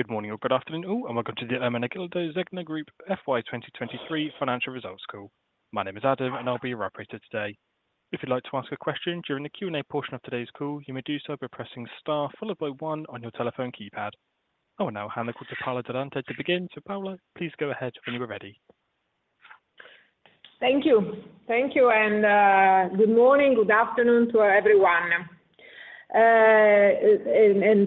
Good morning or good afternoon, all, and welcome to the Ermenegildo Zegna Group FY 2023 financial results call. My name is Adam and I'll be your operator today. If you'd like to ask a question during the Q&A portion of today's call, you may do so by pressing star followed by one on your telephone keypad. I will now hand over to Paola Durante to begin, so Paola, please go ahead when you are ready. Thank you. Thank you and good morning, good afternoon to everyone.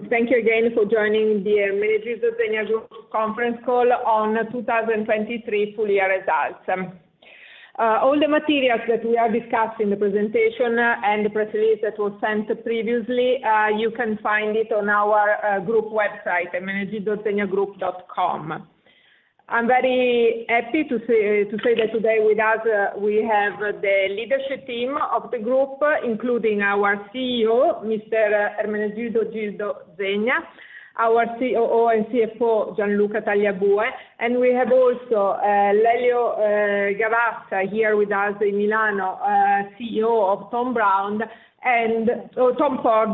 Thank you again for joining the Ermenegildo Zegna Group conference call on 2023 full year results. All the materials that we are discussing in the presentation and the press release that was sent previously, you can find it on our group website, ermenegildozegna-group.com. I'm very happy to say that today with us we have the leadership team of the group, including our CEO, Mr. Ermenegildo Zegna, our COO and CFO, Gianluca Tagliabue, and we have also Lelio Gavazza here with us in Milano, CEO of Thom Browne and or Tom Ford,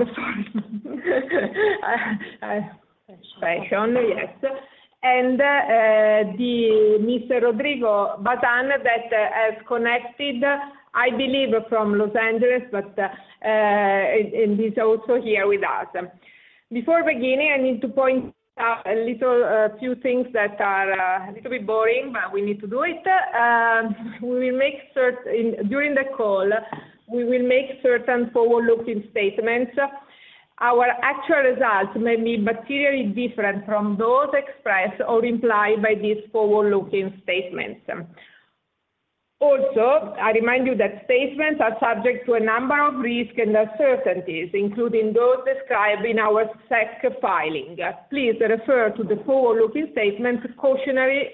sorry. Fashion. Fashion, yes. Mr. Rodrigo Bazan that has connected, I believe, from Los Angeles, but he's also here with us. Before beginning, I need to point out a little few things that are a little bit boring, but we need to do it. We will make certain during the call, we will make certain forward-looking statements. Our actual results may be materially different from those expressed or implied by these forward-looking statements. Also, I remind you that statements are subject to a number of risks and uncertainties, including those described in our SEC filing. Please refer to the forward-looking statements cautionary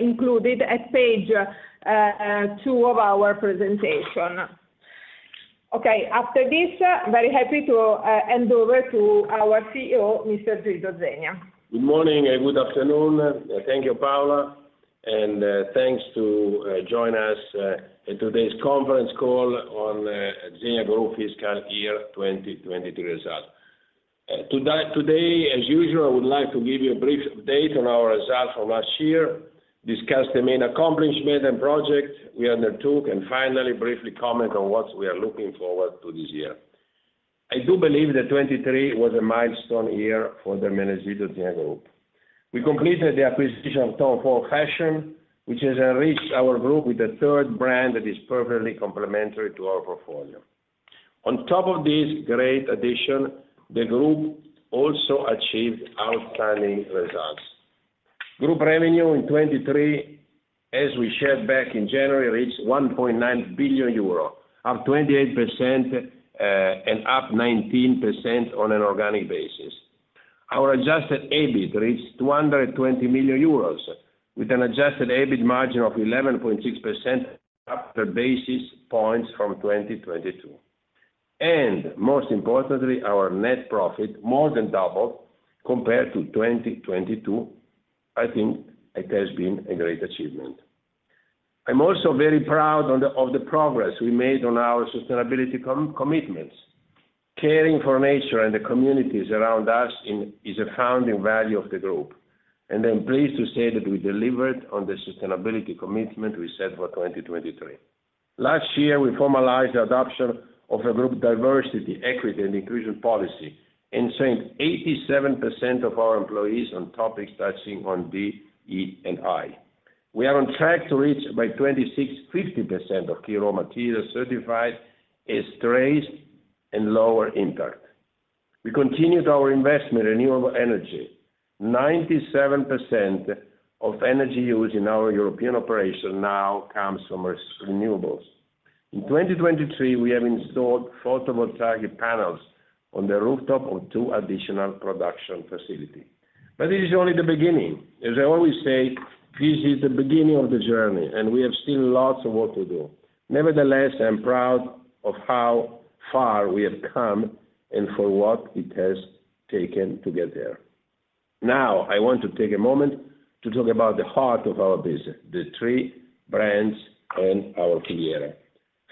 included at page 2 of our presentation. Okay, after this, very happy to hand over to our CEO, Mr. Gildo Zegna. Good morning and good afternoon. Thank you, Paola. Thank you for joining us at today's conference call on Zegna Group fiscal year 2023 results. Today, as usual, I would like to give you a brief update on our results from last year, discuss the main accomplishment and project we undertook, and finally, briefly comment on what we are looking forward to this year. I do believe that 2023 was a milestone year for the Ermenegildo Zegna Group. We completed the acquisition of Tom Ford Fashion, which has enriched our group with a third brand that is perfectly complementary to our portfolio. On top of this great addition, the group also achieved outstanding results. Group revenue in 2023, as we shared back in January, reached 1.9 billion euro, up 28% and up 19% on an organic basis. Our adjusted EBIT reached 220 million euros, with an adjusted EBIT margin of 11.6% after bases points from 2022 and most importantly, our net profit more than doubled compared to 2022. I think it has been a great achievement. I'm also very proud of the progress we made on our sustainability commitments. Caring for nature and the communities around us is a founding value of the group. I'm pleased to say that we delivered on the sustainability commitment we set for 2023. Last year, we formalized the adoption of a group diversity, equity, and inclusion policy, and sent 87% of our employees on topics touching on D, E, and I. We are on track to reach by 2026 50% of key raw materials certified as trace and lower impact. We continued our investment in renewable energy. 97% of energy use in our European operation now comes from renewables. In 2023, we have installed photovoltaic panels on the rooftop of two additional production facilities. But this is only the beginning. As I always say, this is the beginning of the journey, and we have still lots of work to do. Nevertheless, I'm proud of how far we have come and for what it has taken to get there. Now, I want to take a moment to talk about the heart of our business, the three brands and our career.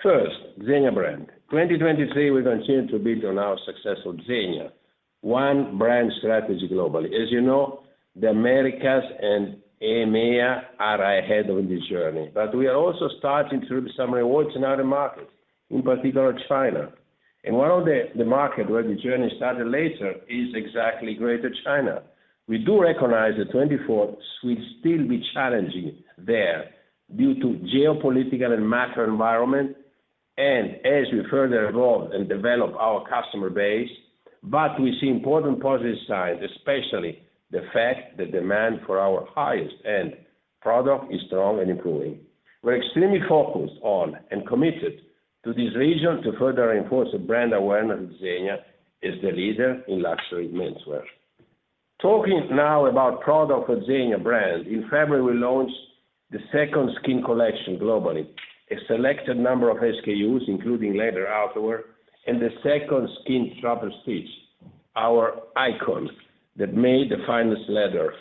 First, Zegna brand. 2023, we continue to build on our successful Zegna, one brand strategy globally. As you know, the Americas and EMEA are ahead of this journey, but we are also starting to reap some rewards in other markets, in particular China. And one of the markets where the journey started later is exactly Greater China. We do recognize that 2024 will still be challenging there due to geopolitical and macro environment, and as we further evolve and develop our customer base, but we see important positive signs, especially the fact that demand for our highest-end product is strong and improving. We're extremely focused on and committed to this region to further enforce the brand awareness of Zegna as the leader in luxury menswear. Talking now about the product of the Zegna brand, in February we launched the Secondskin collection globally, a selected number of SKUs, including leather outerwear, and the Secondskin Triple Stitch, our icon that made the finest leather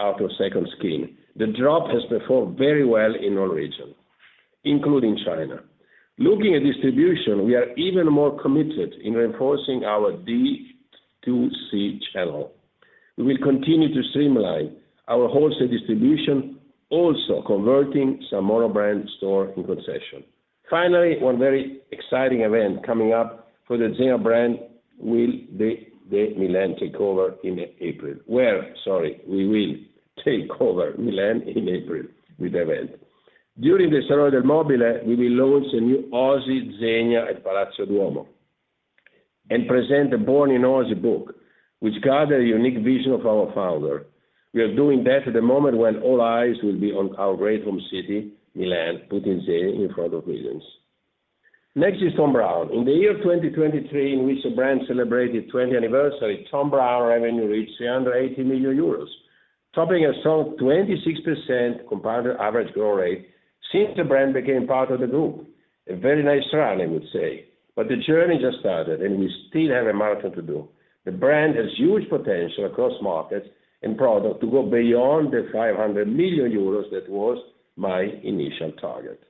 out of Secondskin. The drop has performed very well in all regions, including China. Looking at distribution, we are even more committed in reinforcing our D2C channel. We will continue to streamline our wholesale distribution, also converting some more brand stores in concession. Finally, one very exciting event coming up for the Zegna brand will be the Milan takeover in April. Where? Sorry, we will take over Milan in April with the event. During the Salone del Mobile, we will launch a new Oasi Zegna at Palazzo Duomo and present the Born in Oasi book, which gathers a unique vision of our founder. We are doing that at the moment when all eyes will be on our great home city, Milan, putting Zegna in front of millions. Next is Thom Browne. In the year 2023, in which the brand celebrated its 20th anniversary, Thom Browne revenue reached 380 million euros, topping a strong 26% compounded average growth rate since the brand became part of the group. A very nice run, I would say. But the journey just started, and we still have a marathon to do. The brand has huge potential across markets and product to go beyond the 500 million euros that was my initial target.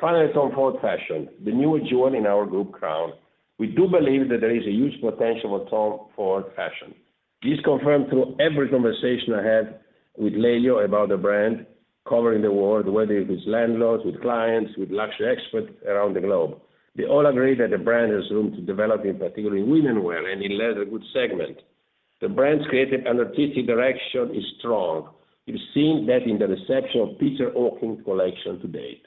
Finally, Tom Ford Fashion, the new jewel in our group crown. We do believe that there is a huge potential for Tom Ford Fashion. This is confirmed through every conversation I had with Leo about the brand, covering the world, whether it was landlords, with clients, with luxury experts around the globe. They all agree that the brand has room to develop, in particular in women's wear and in leather, a good segment. The brand's creative and artistic direction is strong. You've seen that in the reception of Peter Hawkings's collection to date.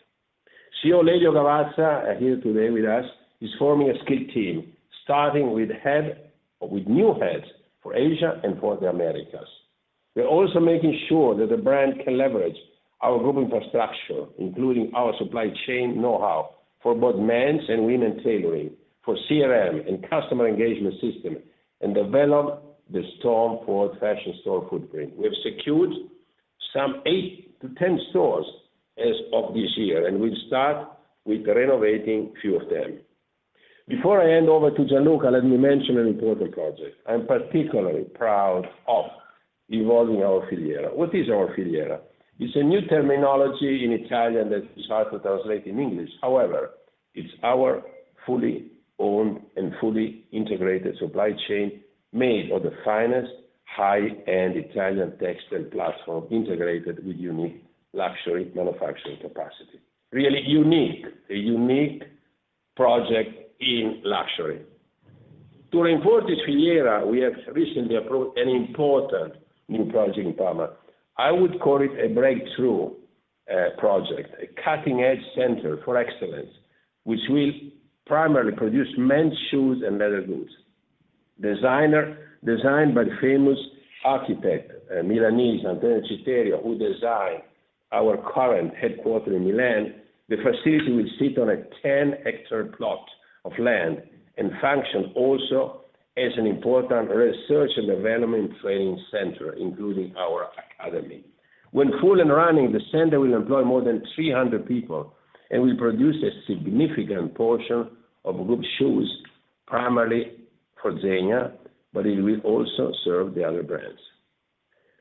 CEO Lelio Gavazza, here today with us, is forming a skilled team, starting with head with new heads for Asia and for the Americas. We're also making sure that the brand can leverage our group infrastructure, including our supply chain know-how for both men's and women's tailoring, for CRM and customer engagement system, and develop this Tom Ford Fashion store footprint. We have secured some eight to ten stores as of this year, and we'll start with renovating a few of them. Before I hand over to Gianluca, let me mention an important project. I'm particularly proud of evolving our Filiera. What is our Filiera? It's a new terminology in Italian that is hard to translate in English. However, it's our fully owned and fully integrated supply chain, made of the finest high-end Italian textile platform, integrated with unique luxury manufacturing capacity. Really unique, a unique project in luxury. To reinforce this Filiera, we have recently approved an important new project in Parma. I would call it a breakthrough project, a cutting-edge center for excellence, which will primarily produce men's shoes and leather goods. Designed by the famous Milanese architect Antonio Citterio, who designed our current headquarters in Milan, the facility will sit on a 10-hectare plot of land and function also as an important research and development training center, including our academy. When full and running, the center will employ more than 300 people and will produce a significant portion of group shoes, primarily for Zegna, but it will also serve the other brands.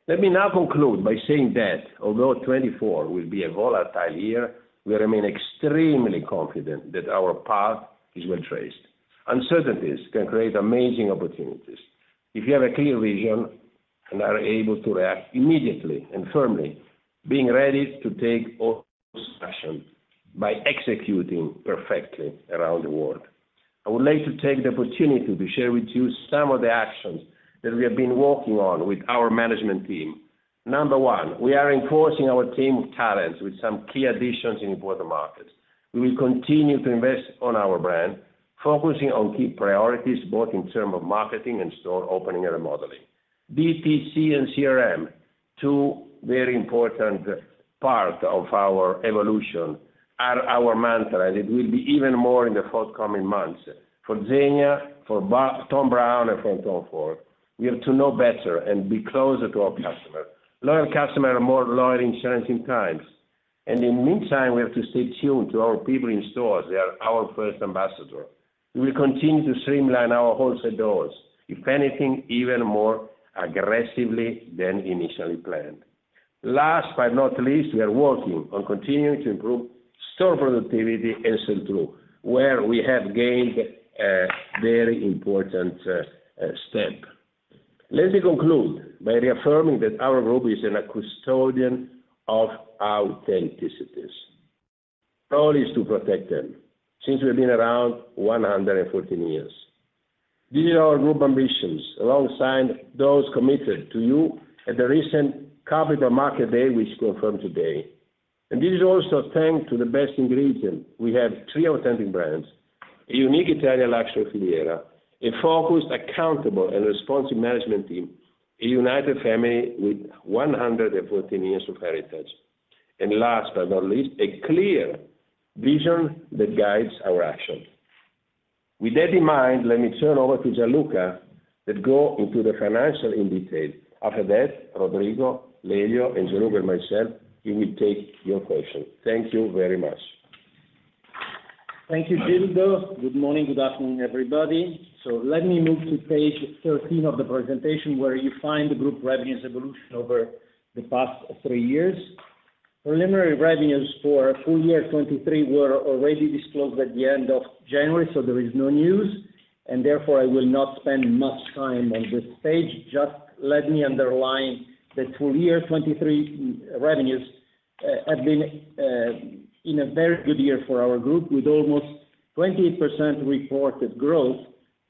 Let me now conclude by saying that, although 2024 will be a volatile year, we remain extremely confident that our path is well traced. Uncertainties can create amazing opportunities. If you have a clear vision and are able to react immediately and firmly, being ready to take all action by executing perfectly around the world. I would like to take the opportunity to share with you some of the actions that we have been working on with our management team. Number one, we are enforcing our team of talents with some key additions in important markets. We will continue to invest on our brand, focusing on key priorities both in terms of marketing and store opening and remodeling. DTC and CRM, two very important parts of our evolution, are our mantra, and it will be even more in the forthcoming months. For Zegna, for Thom Browne, and for Tom Ford, we have to know better and be closer to our customers. Loyal customers are more loyal in challenging times. In the meantime, we have to stay tuned to our people in stores. They are our first ambassadors. We will continue to streamline our wholesale doors, if anything, even more aggressively than initially planned. Last but not least, we are working on continuing to improve store productivity and sell-through, where we have gained a very important step. Let me conclude by reaffirming that our group is a custodian of authenticities. Our role is to protect them since we have been around 114 years. This is our group ambitions, alongside those committed to you at the recent Capital Market Day, which confirmed today. And this is also thanks to the best ingredient. We have three authentic brands, a unique Italian luxury Filiera, a focused, accountable, and responsive management team, a united family with 114 years of heritage. And last but not least, a clear vision that guides our actions. With that in mind, let me turn over to Gianluca to go into the financials in detail. After that, Rodrigo, Leo, and Gianluca and myself will take your questions. Thank you very much. Thank you, Gildo. Good morning. Good afternoon, everybody. So let me move to page 13 of the presentation, where you find the group revenues evolution over the past three years. Preliminary revenues for full year 2023 were already disclosed at the end of January, so there is no news. Therefore, I will not spend much time on this page. Just let me underline that full year 2023 revenues have been in a very good year for our group, with almost 28% reported growth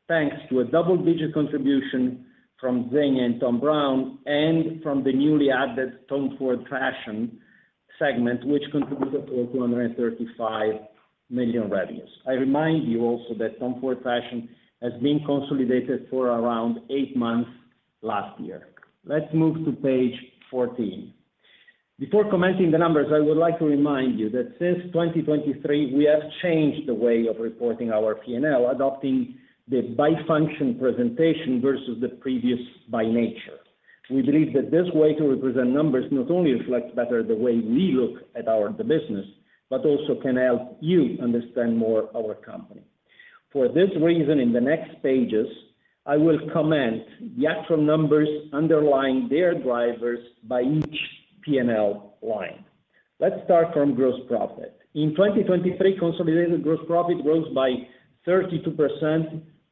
thanks to a double-digit contribution from Zegna and Thom Browne and from the newly added Tom Ford Fashion segment, which contributed 235 million revenues. I remind you also that Tom Ford Fashion has been consolidated for around eight months last year. Let's move to page 14. Before commenting the numbers, I would like to remind you that since 2023, we have changed the way of reporting our P&L, adopting the by-function presentation versus the previous by nature. We believe that this way to represent numbers not only reflects better the way we look at the business, but also can help you understand more our company. For this reason, in the next pages, I will comment the actual numbers underlying their drivers by each P&L line. Let's start from gross profit. In 2023, consolidated gross profit rose by 32%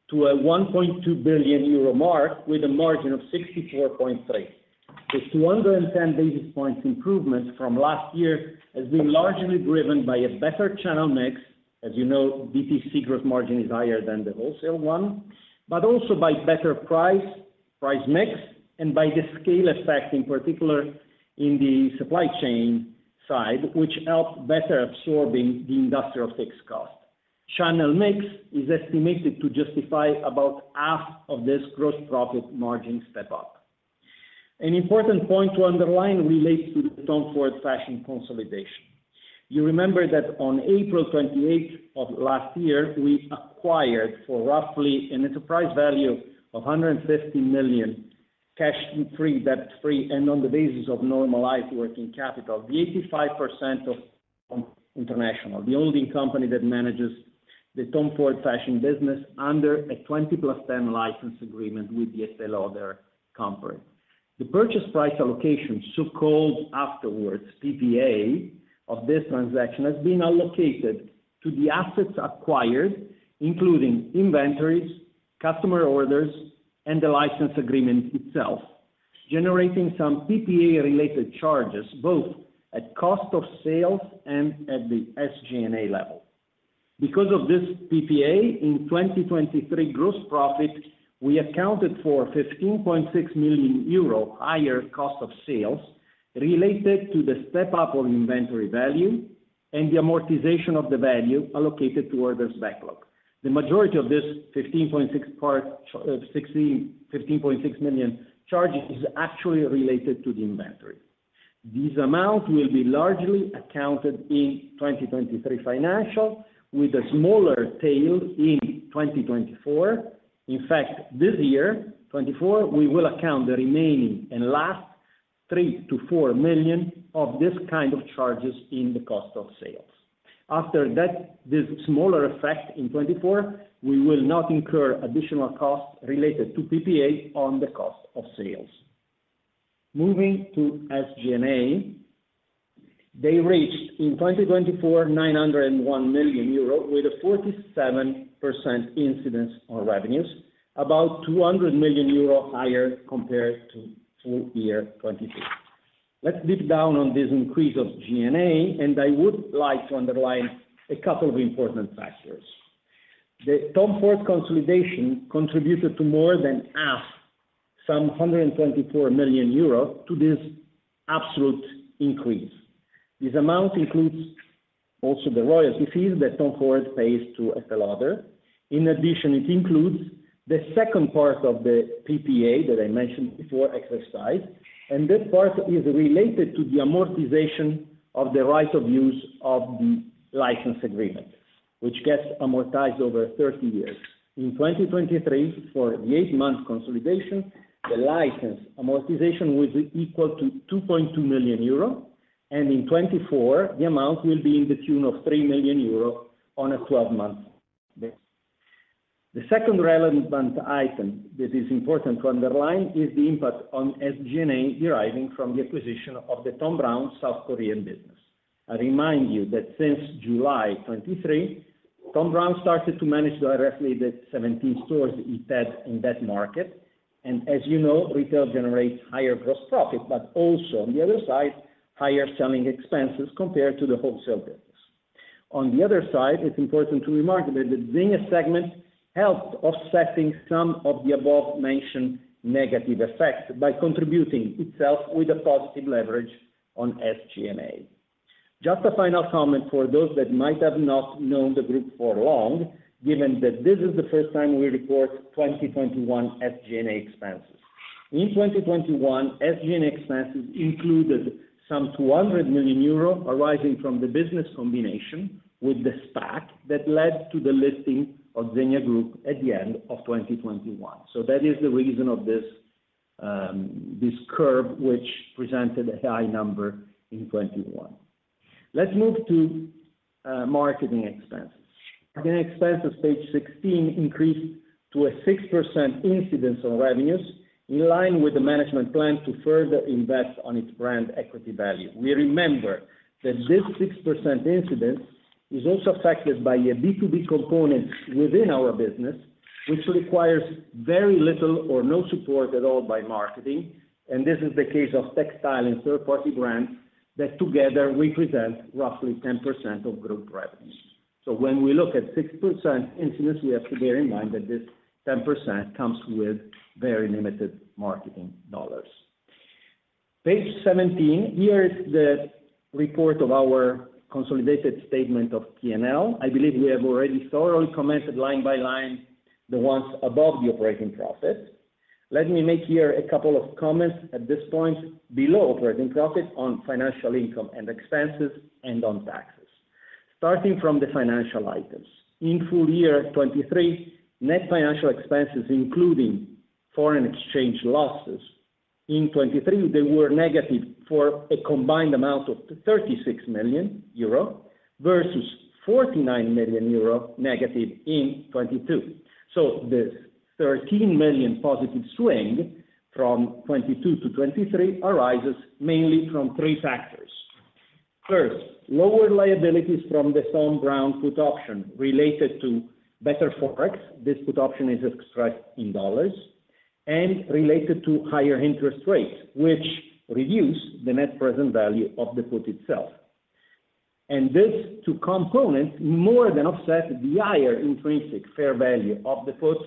to 1.2 billion euro, with a margin of 64.3%. The 210 basis points improvement from last year has been largely driven by a better channel mix. As you know, DTC gross margin is higher than the wholesale one, but also by better price price mix and by the scale effect, in particular in the supply chain side, which helped better absorb the industrial fixed cost. Channel mix is estimated to justify about half of this gross profit margin step-up. An important point to underline relates to the Tom Ford Fashion consolidation. You remember that on April 28th of last year, we acquired for roughly an enterprise value of 150 million cash-free, debt-free, and on the basis of normalized working capital, the 85% of Tom International, the holding company that manages the Tom Ford Fashion business, under a 20+10 license agreement with the Estée Lauder Companies. The purchase price allocation, so-called afterwards PPA, of this transaction has been allocated to the assets acquired, including inventories, customer orders, and the license agreement itself, generating some PPA-related charges both at cost of sales and at the SG&A level. Because of this PPA, in 2023 gross profit, we accounted for 15.6 million euro higher cost of sales related to the step-up of inventory value and the amortization of the value allocated toward this backlog. The majority of this 15.6 million charge is actually related to the inventory. This amount will be largely accounted in 2023 financial, with a smaller tail in 2024. In fact, this year, 2024, we will account the remaining and last 3 to 4 million of this kind of charges in the cost of sales. After this smaller effect in 2024, we will not incur additional costs related to PPA on the cost of sales. Moving to SG&A, they reached in 2024 901 million euro with a 47% incidence on revenues, about 200 million euro higher compared to full year 2023. Let's deep down on this increase of G&A, and I would like to underline a couple of important factors. The Tom Ford consolidation contributed to more than half, some 124 million euros, to this absolute increase. This amount includes also the royalty fees that Tom Ford pays to Estée Lauder. In addition, it includes the second part of the PPA that I mentioned before, earlier. And that part is related to the amortization of the right of use of the license agreement, which gets amortized over 30 years. In 2023, for the 8-month consolidation, the license amortization was equal to 2.2 million euro. And in 2024, the amount will be to the tune of 3 million euro on a 12-month basis. The second relevant item that is important to underline is the impact on SG&A deriving from the acquisition of the Thom Browne South Korean business. I remind you that since July 2023, Thom Browne started to manage directly the 17 stores he had in that market. And as you know, retail generates higher gross profit, but also, on the other side, higher selling expenses compared to the wholesale business. On the other side, it's important to remark that the Zegna segment helped offset some of the above-mentioned negative effects by contributing itself with a positive leverage on SG&A. Just a final comment for those that might have not known the group for long, given that this is the first time we report 2021 SG&A expenses. In 2021, SG&A expenses included some 200 million euro arising from the business combination with the SPAC that led to the listing of Zegna Group at the end of 2021. So that is the reason of this curve, which presented a high number in 2021. Let's move to marketing expenses. Marketing expenses, page 16, increased to a 6% incidence on revenues, in line with the management plan to further invest on its brand equity value. We remember that this 6% incidence is also affected by a B2B component within our business, which requires very little or no support at all by marketing. And this is the case of textile and third-party brands that together represent roughly 10% of group revenue. So when we look at 6% incidence, we have to bear in mind that this 10% comes with very limited marketing dollars. Page 17, here is the report of our consolidated statement of P&L. I believe we have already thoroughly commented line by line the ones above the operating profit. Let me make here a couple of comments at this point below operating profit on financial income and expenses and on taxes, starting from the financial items. In full year 2023, net financial expenses, including foreign exchange losses, in 2023, they were negative for a combined amount of 36 million euro versus 49 million euro negative in 2022. So this 13 million positive swing from 2022 to 2023 arises mainly from three factors. First, lower liabilities from the Thom Browne put option related to better forex. This put option is expressed in dollars and related to higher interest rates, which reduce the net present value of the put itself. These two components more than offset the higher intrinsic fair value of the put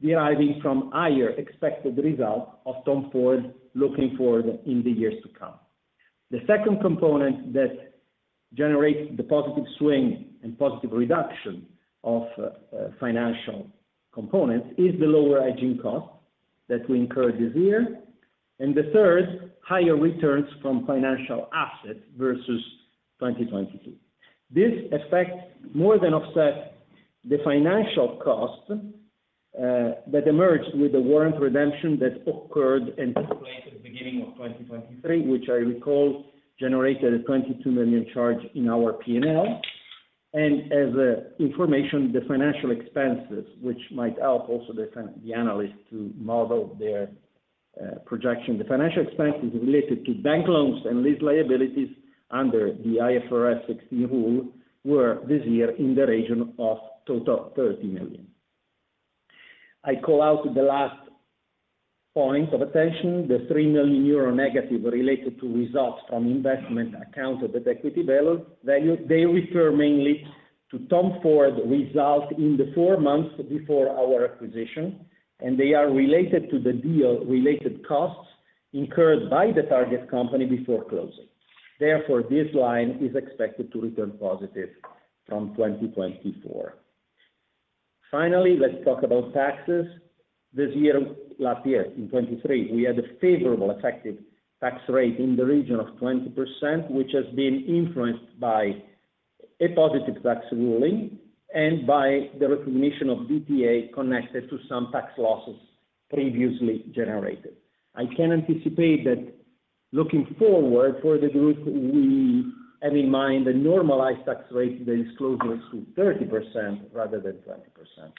deriving from higher expected results of Tom Ford looking forward in the years to come. The second component that generates the positive swing and positive reduction of financial components is the lower hedging cost that we incurred this year. And the third, higher returns from financial assets versus 2022. This effect more than offset the financial cost that emerged with the warrant redemption that occurred and took place at the beginning of 2023, which I recall generated a 22 million charge in our P&L. And as information, the financial expenses, which might help also the analysts to model their projection, the financial expenses related to bank loans and lease liabilities under the IFRS 16 rule were this year in the region of total 30 million. I call out the last point of attention, the 3 million euro negative related to results from investment accounted at equity value. They refer mainly to Tom Ford results in the four months before our acquisition. And they are related to the deal-related costs incurred by the target company before closing. Therefore, this line is expected to return positive from 2024. Finally, let's talk about taxes. This year, last year, in 2023, we had a favorable effective tax rate in the region of 20%, which has been influenced by a positive tax ruling and by the recognition of DTA connected to some tax losses previously generated. I can anticipate that looking forward for the group, we have in mind a normalized tax rate that is closer to 30% rather than 20%.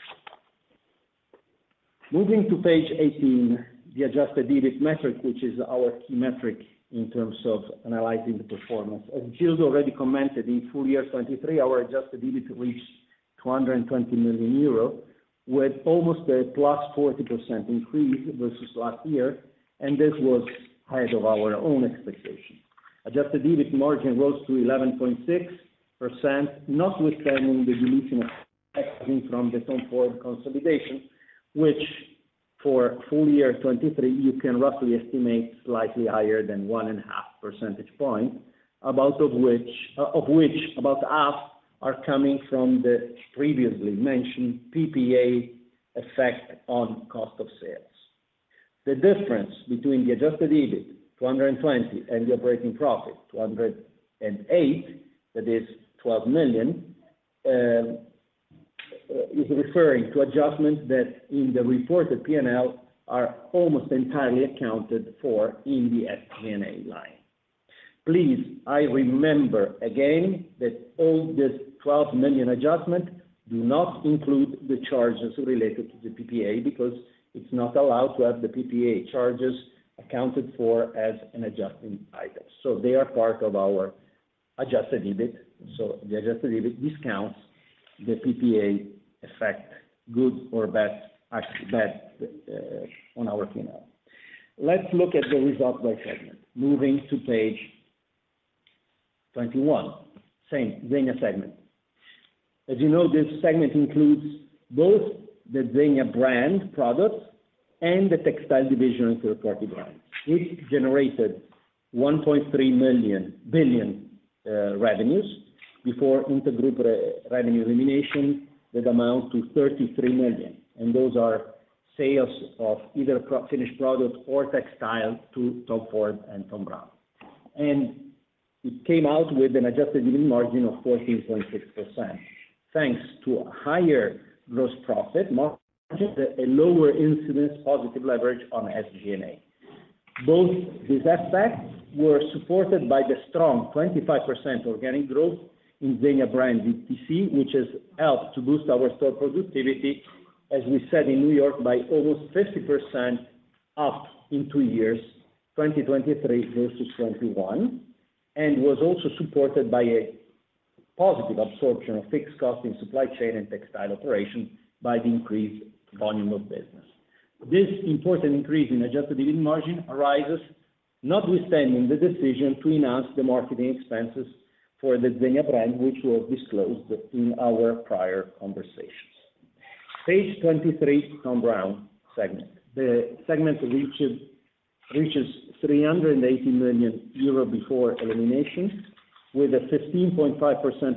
Moving to page 18, the Adjusted EBIT metric, which is our key metric in terms of analyzing the performance. As Gildo already commented, in full year 2023, our Adjusted EBIT reached 220 million euro with almost a +40% increase versus last year. This was ahead of our own expectations. Adjusted EBIT margin rose to 11.6%, notwithstanding the dilution effect from exiting the Tom Ford consolidation, which for full year 2023, you can roughly estimate slightly higher than one and a half percentage points, about half of which are coming from the previously mentioned PPA effect on cost of sales. The difference between the Adjusted EBIT, 220, and the operating profit, 208, that is 12 million, is referring to adjustments that in the reported P&L are almost entirely accounted for in the SG&A line. Please, I remember again that all this 12 million adjustment does not include the charges related to the PPA because it's not allowed to have the PPA charges accounted for as an adjusting item. So they are part of our Adjusted EBIT. So the Adjusted EBIT discounts the PPA effect, good or bad on our P&L. Let's look at the result by segment. Moving to page 21, same Zegna segment. As you know, this segment includes both the Zegna brand products and the textile division and third-party brands. It generated 1.3 billion revenues before intergroup revenue elimination, the amount to 33 million. And those are sales of either finished product or textile to Tom Ford and Thom Browne. And it came out with an Adjusted EBIT margin of 14.6% thanks to a higher gross profit margin, a lower incidence positive leverage on SG&A. Both these aspects were supported by the strong 25% organic growth in Zegna brand DTC, which has helped to boost our store productivity, as we said in New York, by almost 50% up in two years, 2023 versus 2021, and was also supported by a positive absorption of fixed costs in supply chain and textile operation by the increased volume of business. This important increase in adjusted EBIT margin arises notwithstanding the decision to enhance the marketing expenses for the Zegna brand, which was disclosed in our prior conversations. Page 23, Thom Browne segment. The segment reaches 380 million euro before elimination with a 15.5%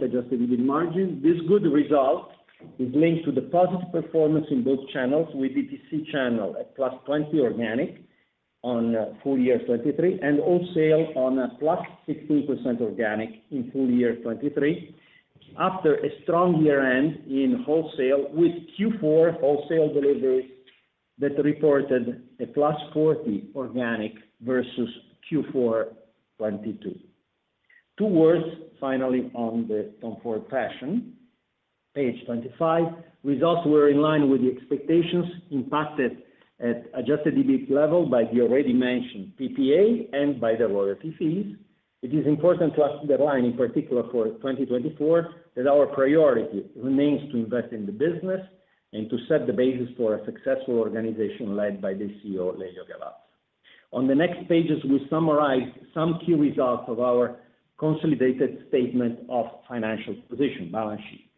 adjusted EBIT margin. This good result is linked to the positive performance in both channels with DTC channel at +20 organic on full year 2023 and wholesale on +16% organic in full year 2023 after a strong year-end in wholesale with Q4 wholesale deliveries that reported a +40 organic versus Q4 2022. Two words, finally, on the Tom Ford Fashion. Page 25, results were in line with the expectations impacted at adjusted EBIT level by the already mentioned PPA and by the royalty fees. It is important to underline, in particular for 2024, that our priority remains to invest in the business and to set the basis for a successful organization led by the CEO, Lelio Gavazza. On the next pages, we summarize some key results of our consolidated statement of financial position, balance sheet.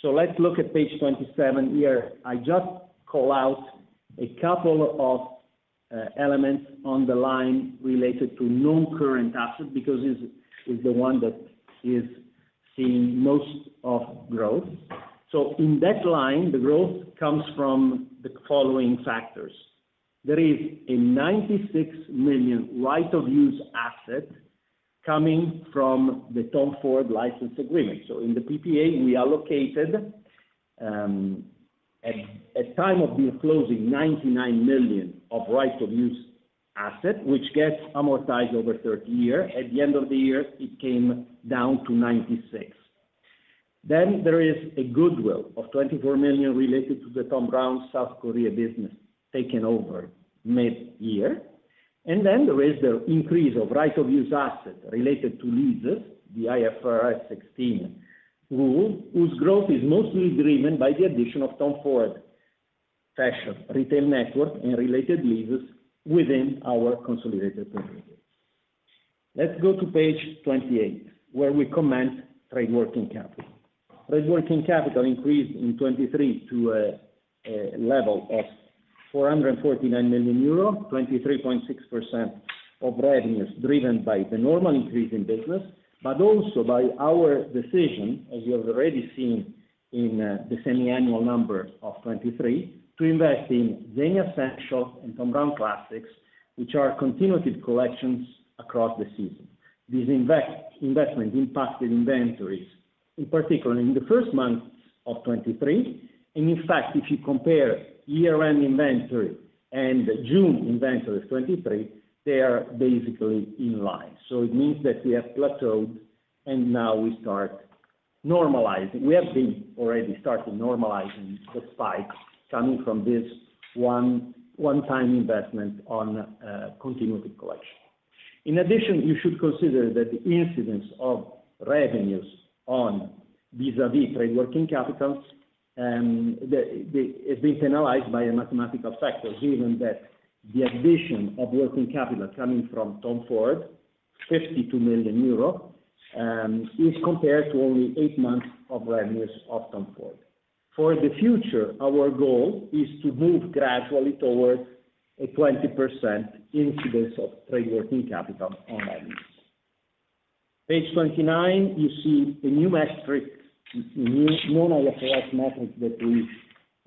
So let's look at page 27 here. I just call out a couple of elements on the line related to non-current asset because this is the one that is seeing most of growth. So in that line, the growth comes from the following factors there is a 96 million right of use asset coming from the Tom Ford license agreement. So in the PPA, we allocated, at the time of the closing, 99 million of right of use asset, which gets amortized over 30 years. At the end of the year, it came down to 96. Then there is a goodwill of 24 million related to the Thom Browne South Korea business taken over mid-year. And then there is the increase of right of use asset related to leases, the IFRS 16 rule, whose growth is mostly driven by the addition of Tom Ford Fashion, retail network, and related leases within our consolidated program. Let's go to page 28, where we comment trade working capital. Trade working capital increased in 2023 to a level of 449 million euro, 23.6% of revenues driven by the normal increase in business, but also by our decision, as you have already seen in the semiannual number of 2023, to invest in Zegna Essentials and Thom Browne Classics, which are continuative collections across the season. This investment impacted inventories, in particular in the first months of 2023. And in fact, if you compare year-end inventory and June inventory of 2023, they are basically in line. So it means that we have plateaued, and now we start normalizing. We have been already starting normalizing the spike coming from this one-time investment on continuative collection. In addition, you should consider that the incidence of revenues on vis-à-vis trade working capital has been penalized by a mathematical factor, given that the addition of working capital coming from Tom Ford, 52 million euros, is compared to only eight months of revenues of Tom Ford. For the future, our goal is to move gradually towards a 20% incidence of trade working capital on revenues. Page 29, you see a new metric, a new non-IFRS metric that we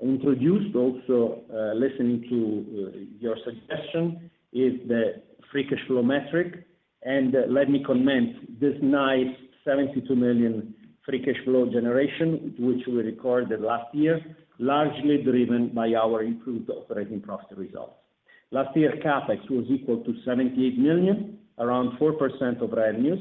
introduced. Also, listening to your suggestion, is the free cash flow metric. And let me comment this nice 72 million free cash flow generation, which we recorded last year, largely driven by our improved operating profit results. Last year, CapEx was equal to 78 million, around 4% of revenues.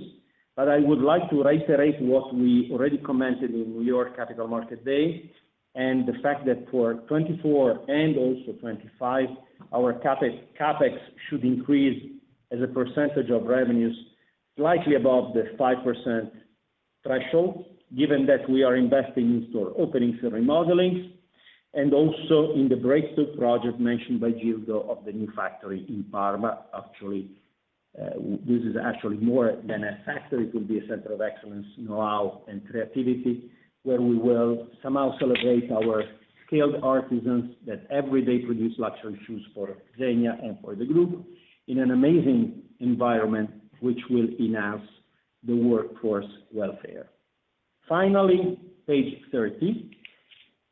But I would like to reiterate what we already commented in New York Capital Market Day and the fact that for 2024 and also 2025, our CapEx should increase as a percentage of revenues slightly above the 5% threshold, given that we are investing in store openings and remodelings and also in the breakthrough project mentioned by Gildo of the new factory in Parma. Actually, this is actually more than a factory, it will be a center of excellence, know-how, and creativity, where we will somehow celebrate our skilled artisans that every day produce luxury shoes for Zegna and for the group in an amazing environment, which will enhance the workforce welfare. Finally, page 30,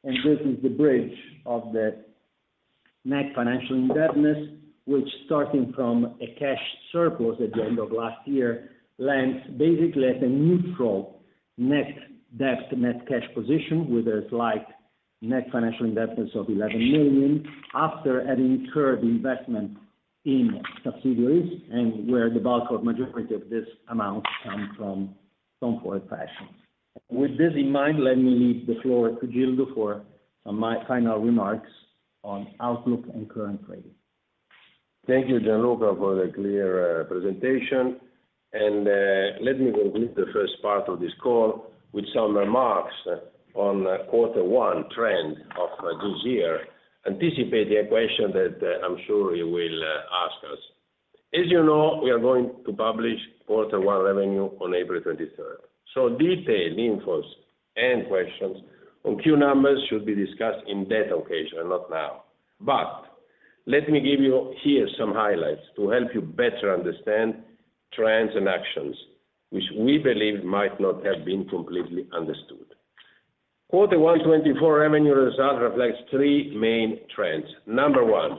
and this is the bridge of the net financial indebtedness, which, starting from a cash surplus at the end of last year, lands basically at a neutral net debt, net cash position with a slight net financial indebtedness of 11 million after having incurred investment in subsidiaries and where the bulk of the majority of this amount comes from Tom Ford Fashion. With this in mind, let me leave the floor to Gildo for some final remarks on outlook and current trade. Thank you, Gianluca, for the clear presentation. Let me conclude the first part of this call with some remarks on quarter one trend of this year, anticipating a question that I'm sure you will ask us. As you know, we are going to publish quarter one revenue on April 23rd. Detailed infos and questions on Q numbers should be discussed in that occasion, not now. But let me give you here some highlights to help you better understand trends and actions, which we believe might not have been completely understood. Quarter one 2024 revenue result reflects three main trends. Number one,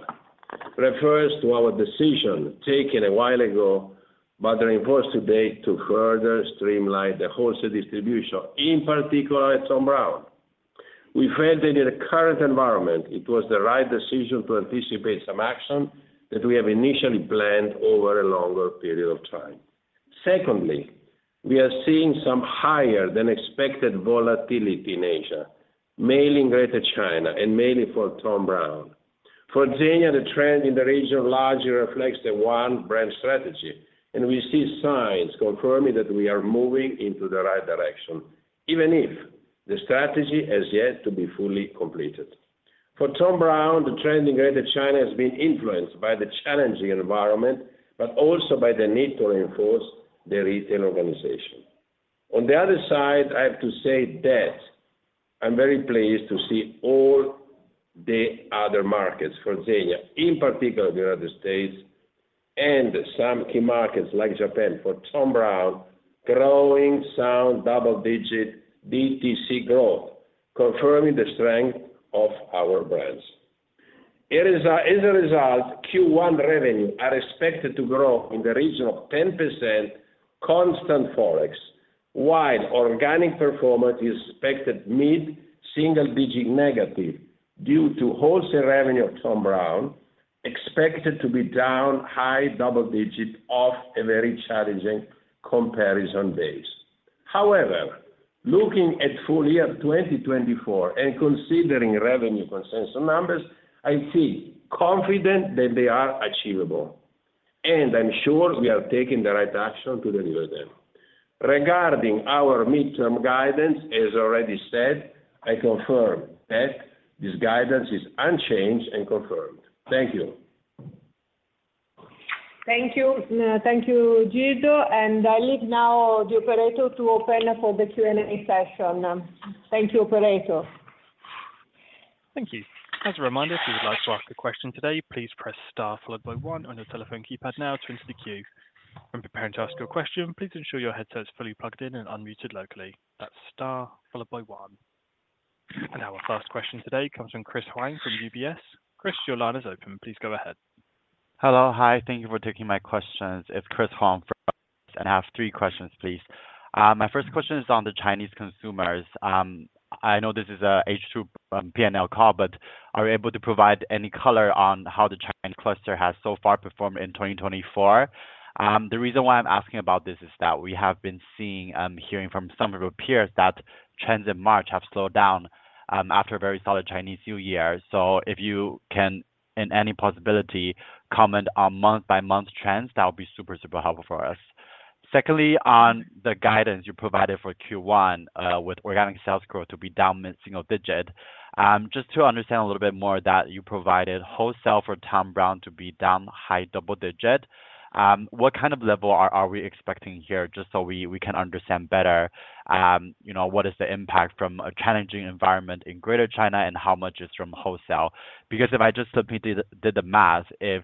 refers to our decision taken a while ago, but reinforced today to further streamline the wholesale distribution, in particular at Thom Browne. We felt that in the current environment, it was the right decision to anticipate some action that we have initially planned over a longer period of time. Secondly, we are seeing some higher-than-expected volatility in Asia, mainly in Greater China and mainly for Thom Browne. For Zegna, the trend in the region largely reflects the one-brand strategy. We see signs confirming that we are moving into the right direction, even if the strategy has yet to be fully completed. For Thom Browne, the trend in Greater China has been influenced by the challenging environment, but also by the need to reinforce the retail organization. On the other side, I have to say that I'm very pleased to see all the other markets for Zegna, in particular the United States, and some key markets like Japan for Thom Browne, growing sound double-digit DTC growth, confirming the strength of our brands. As a result, Q1 revenue is expected to grow in the region of 10% constant forex, while organic performance is expected mid-single-digit negative due to wholesale revenue of Thom Browne, expected to be down high double-digit off a very challenging comparison base. However, looking at full year 2024 and considering revenue consensus numbers, I feel confident that they are achievable. I'm sure we are taking the right action to deliver them. Regarding our mid-term guidance, as already said, I confirm that this guidance is unchanged and confirmed. Thank you. Thank you. Thank you, Gildo. And I leave now the operator to open for the Q&A session. Thank you, operator. Thank you. As a reminder, if you would like to ask a question today, please press star followed by one on your telephone keypad now to enter the queue. When preparing to ask your question, please ensure your headset is fully plugged in and unmuted locally. That's star followed by one. Our first question today comes from Chris Huang from UBS. Chris, your line is open. Please go ahead. Hello. Hi. Thank you for taking my questions. It's Chris Huang from UBS. And I have three questions, please. My first question is on the Chinese consumers. I know this is an H2 P&L call, but are you able to provide any color on how the Chinese cluster has so far performed in 2024? The reason why I'm asking about this is that we have been hearing from some of your peers that trends in March have slowed down after a very solid Chinese New Year. So if you can, in any possibility, comment on month-by-month trends, that would be super, super helpful for us. Secondly, on the guidance you provided for Q1 with organic sales growth to be down mid-single-digit, just to understand a little bit more that you provided wholesale for Thom Browne to be down high double-digit, what kind of level are we expecting here? Just so we can understand better, what is the impact from a challenging environment in Greater China and how much is from wholesale? Because if I just simply did the math, if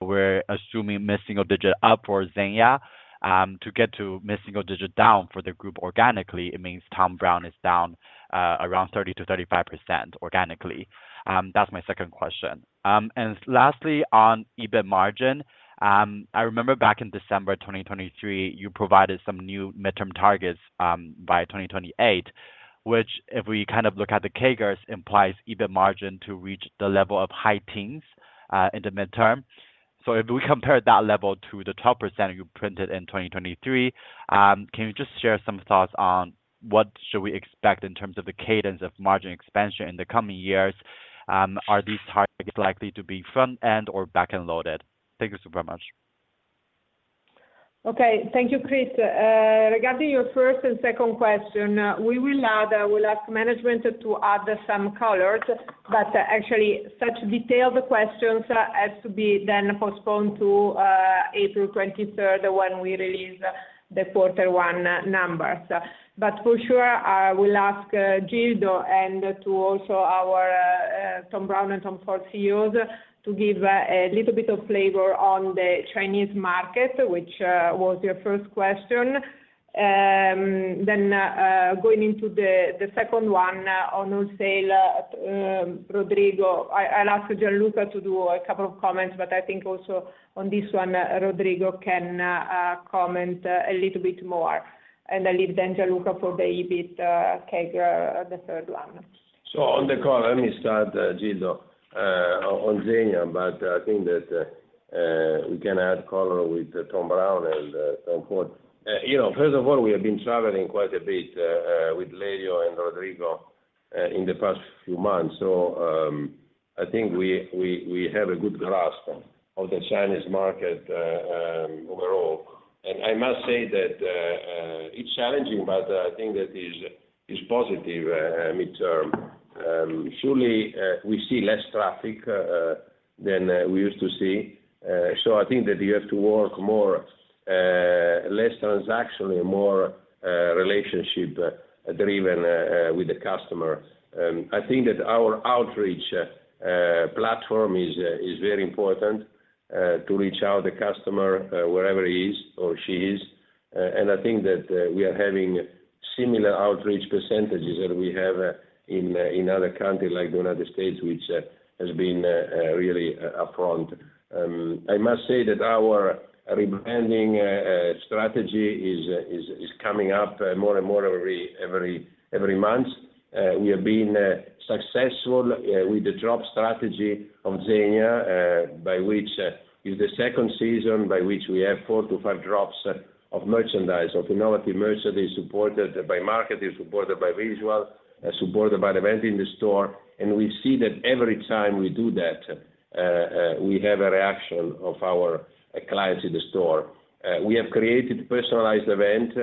we're assuming mid-single-digit up for Zegna, to get to mid-single-digit down for the group organically, it means Thom Browne is down around 30%-35% organically. That's my second question. And lastly, on EBIT margin, I remember back in December 2023, you provided some new mid-term targets by 2028, which, if we kind of look at the CAGRs, implies EBIT margin to reach the level of high teens in the mid-term. So if we compare that level to the 12% you printed in 2023, can you just share some thoughts on what should we expect in terms of the cadence of margin expansion in the coming years? Are these targets likely to be front-end or back-end loaded? Thank you so very much. Okay. Thank you, Chris. Regarding your first and second question, we will ask management to add some colors, but actually, such detailed questions have to be then postponed to April 23rd when we release the quarter one numbers. But for sure, we'll ask Gianluca and also our Thom Browne and Tom Ford CEOs to give a little bit of flavor on the Chinese market, which was your first question. Then going into the second one on wholesale, Rodrigo, I'll ask Gianluca to do a couple of comments, but I think also on this one, Rodrigo can comment a little bit more. And I leave then Gianluca for the EBIT CAGR, the third one. So on the call, let me start, Gildo, on Zegna, but I think that we can add color with Thom Browne and Tom Ford. First of all, we have been traveling quite a bit with Leo and Rodrigo in the past few months. So I think we have a good grasp of the Chinese market overall. And I must say that it's challenging, but I think that it's positive mid-term. Surely, we see less traffic than we used to see. So I think that you have to work less transactionally, more relationship-driven with the customer. I think that our outreach platform is very important to reach out to the customer wherever he is or she is. And I think that we are having similar outreach percentages that we have in other countries like the United States, which has been really upfront. I must say that our rebranding strategy is coming up more and more every month. We have been successful with the drop strategy of Zegna, which is the second season by which we have 4-5 drops of merchandise, of innovative merchandise supported by marketing, supported by visual, supported by the event in the store. We see that every time we do that, we have a reaction of our clients in the store. We have created personalized events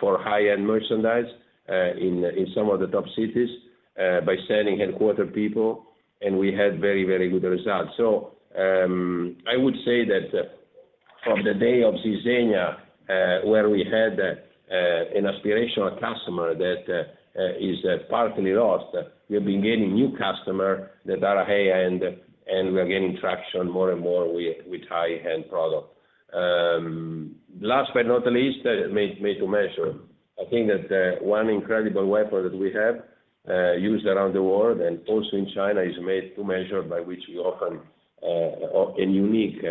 for high-end merchandise in some of the top cities by sending headquarters people. We had very, very good results. So I would say that from the day of Zegna, where we had an aspirational customer that is partly lost, we have been gaining new customers that are high-end, and we are gaining traction more and more with high-end product. Last but not least, Made-to-Measure. I think that one incredible weapon that we have used around the world and also in China is made to measure, by which we offer a unique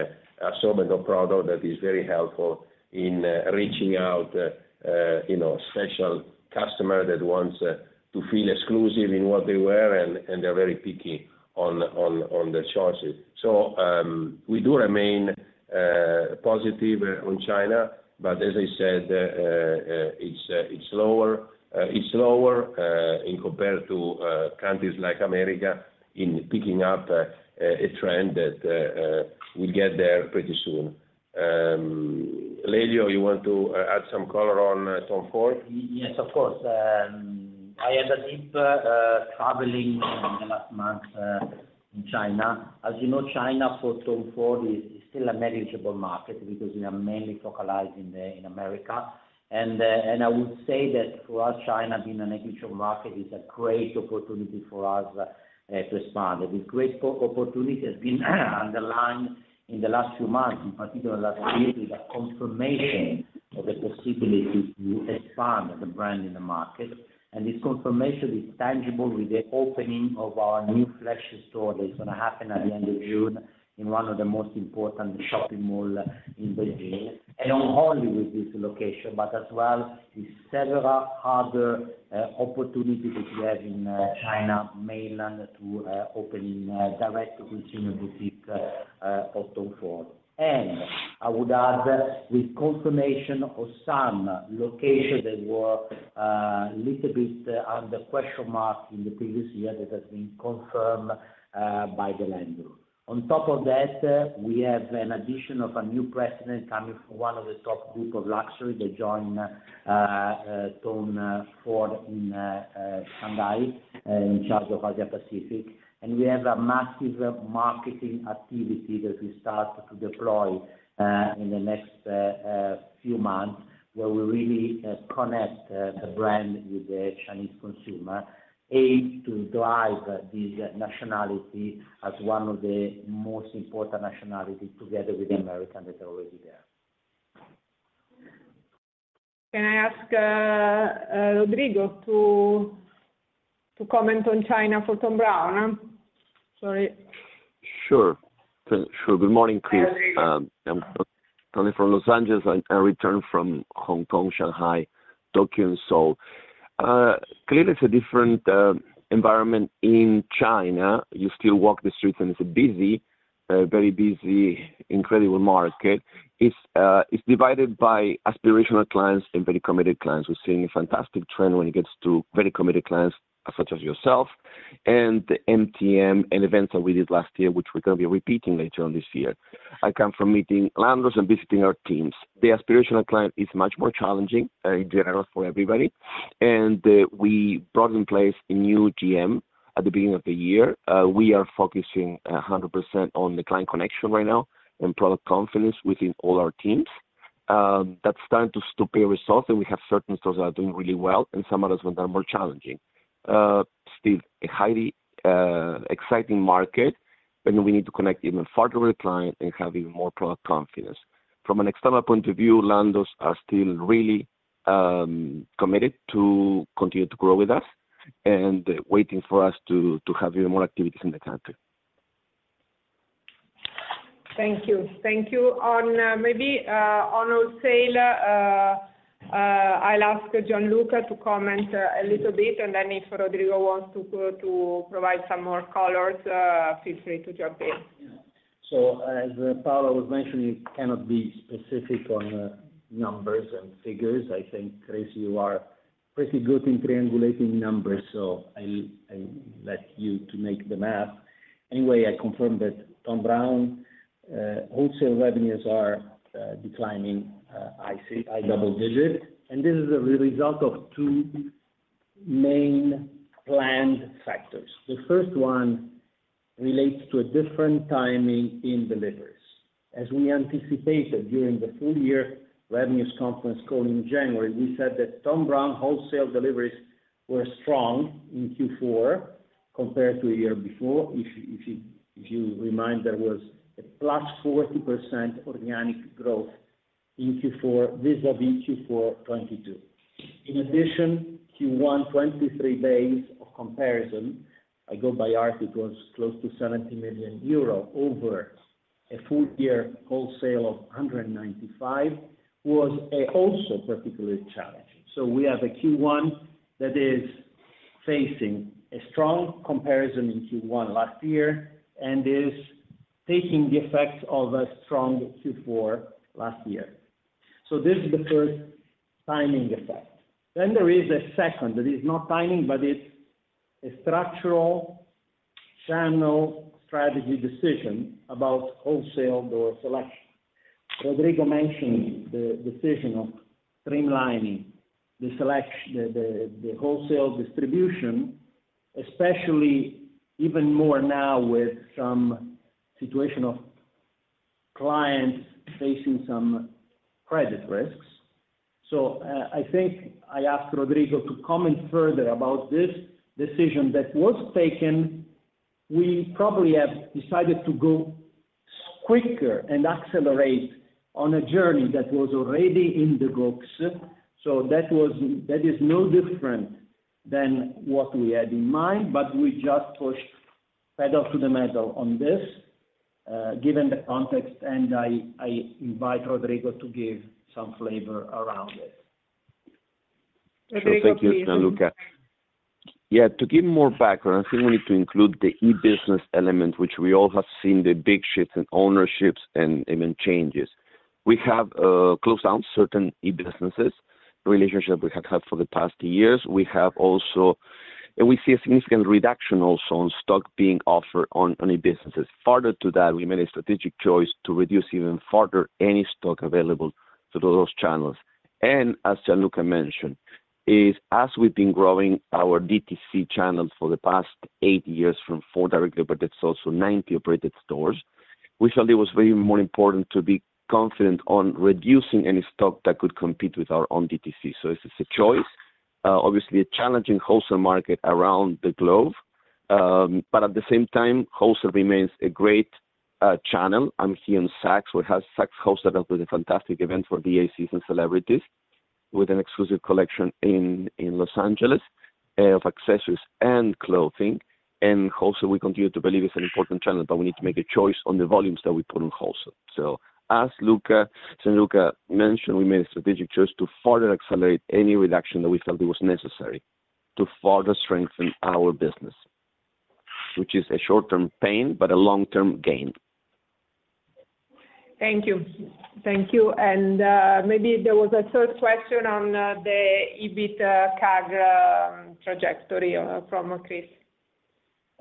assortment of products that is very helpful in reaching out to a special customer that wants to feel exclusive in what they wear, and they're very picky on their choices. So we do remain positive on China. But as I said, it's lower in comparison to countries like America in picking up a trend that we'll get there pretty soon. Lelio, you want to add some color on Tom Ford? Yes, of course. I had a deep traveling in the last months in China. As you know, China for Tom Ford is still a negligible market because we are mainly focalized in America. And I would say that for us, China being a negligible market is a great opportunity for us to expand. This great opportunity has been underlined in the last few months, in particular last year, with a confirmation of the possibility to expand the brand in the market. And this confirmation is tangible with the opening of our new flagship store. It's going to happen at the end of June in one of the most important shopping malls in Beijing, and only with this location, but as well with several other opportunities that we have in China, mainland to open direct-to-consumer boutiques for Tom Ford. I would add with confirmation of some locations that were a little bit under question mark in the previous year that have been confirmed by the landlord. On top of that, we have an addition of a new president coming from one of the top groups of luxury that joined Tom Ford in Shanghai, in charge of Asia Pacific. We have a massive marketing activity that we start to deploy in the next few months where we really connect the brand with the Chinese consumer, aimed to drive this nationality as one of the most important nationalities together with the American that are already there. Can I ask Rodrigo to comment on China for Thom Browne? Sorry. Sure. Sure. Good morning, Chris. I'm calling from Los Angeles. I returned from Hong Kong, Shanghai, Tokyo, and Seoul. Clearly, it's a different environment in China. You still walk the streets, and it's a busy, very busy, incredible market. It's divided by aspirational clients and very committed clients. We're seeing a fantastic trend when it gets to very committed clients such as yourself and MTM and events that we did last year, which we're going to be repeating later on this year. I come from meeting landlords and visiting our teams. The aspirational client is much more challenging in general for everybody. We brought in place a new GM at the beginning of the year. We are focusing 100% on the client connection right now and product confidence within all our teams. That's starting to pay results. We have certain stores that are doing really well, and some others that are more challenging. Still, a highly exciting market, and we need to connect even further with the client and have even more product confidence. From an external point of view, landlords are still really committed to continue to grow with us and waiting for us to have even more activities in the country. Thank you. Thank you. Maybe on wholesale, I'll ask Gianluca to comment a little bit. And then if Rodrigo wants to provide some more colors, feel free to jump in. Yeah. So as Paola was mentioning, you cannot be specific on numbers and figures. I think, Chris, you are pretty good in triangulating numbers, so I'll let you make the math. Anyway, I confirm that Thom Browne wholesale revenues are declining high double-digit. And this is a result of two main planned factors. The first one relates to a different timing in deliveries. As we anticipated during the full-year revenues conference call in January, we said that Thom Browne wholesale deliveries were strong in Q4 compared to the year before. If you remind, there was a +40% organic growth in Q4 vis-à-vis Q4 2022. In addition, Q1 2023, 23 days of comparison, I go by article it was close to 70 million euro over a full-year wholesale of 195 million was also particularly challenging. So we have a Q1 that is facing a strong comparison in Q1 last year and is taking the effects of a strong Q4 last year. So this is the first timing effect. Then there is a second that is not timing, but it's a structural channel strategy decision about wholesale door selection. Rodrigo mentioned the decision of streamlining the wholesale distribution, especially even more now with some situation of clients facing some credit risks. So I think I asked Rodrigo to comment further about this decision that was taken. We probably have decided to go quicker and accelerate on a journey that was already in the books. So that is no different than what we had in mind, but we just pushed pedal to the metal on this, given the context. And I invite Rodrigo to give some flavor around it. So thank you, Gianluca. Yeah, to give more background, I think we need to include the e-business element, which we all have seen the big shifts in ownerships and even changes. We have closed down certain e-businesses, relationships we have had for the past years. And we see a significant reduction also in stock being offered on e-businesses. Further to that, we made a strategic choice to reduce even further any stock available through those channels. And as Gianluca mentioned, as we've been growing our DTC channels for the past eight years from four directly operated stores to 90 operated stores, we felt it was very more important to be confident on reducing any stock that could compete with our own DTC. So this is a choice, obviously, a challenging wholesale market around the globe. But at the same time, wholesale remains a great channel. I'm here in Saks. We have Saks wholesale with a fantastic event for VICs and celebrities with an exclusive collection in Los Angeles of accessories and clothing. Wholesale, we continue to believe, is an important channel, but we need to make a choice on the volumes that we put on wholesale. As Gianluca mentioned, we made a strategic choice to further accelerate any reduction that we felt it was necessary to further strengthen our business, which is a short-term pain but a long-term gain. Thank you. Thank you. And maybe there was a third question on the EBIT CAGR trajectory from Chris.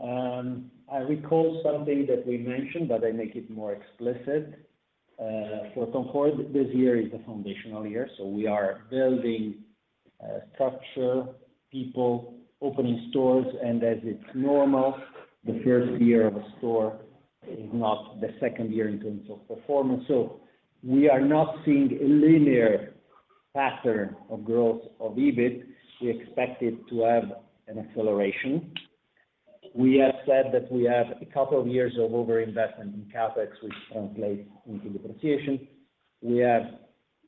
I recall something that we mentioned, but I'll make it more explicit. For Tom Ford, this year is the foundational year. So we are building structure, people, opening stores. And as it's normal, the first year of a store is not the second year in terms of performance. So we are not seeing a linear pattern of growth of EBIT. We expect it to have an acceleration. We have said that we have a couple of years of overinvestment in CapEx, which translates into depreciation. We have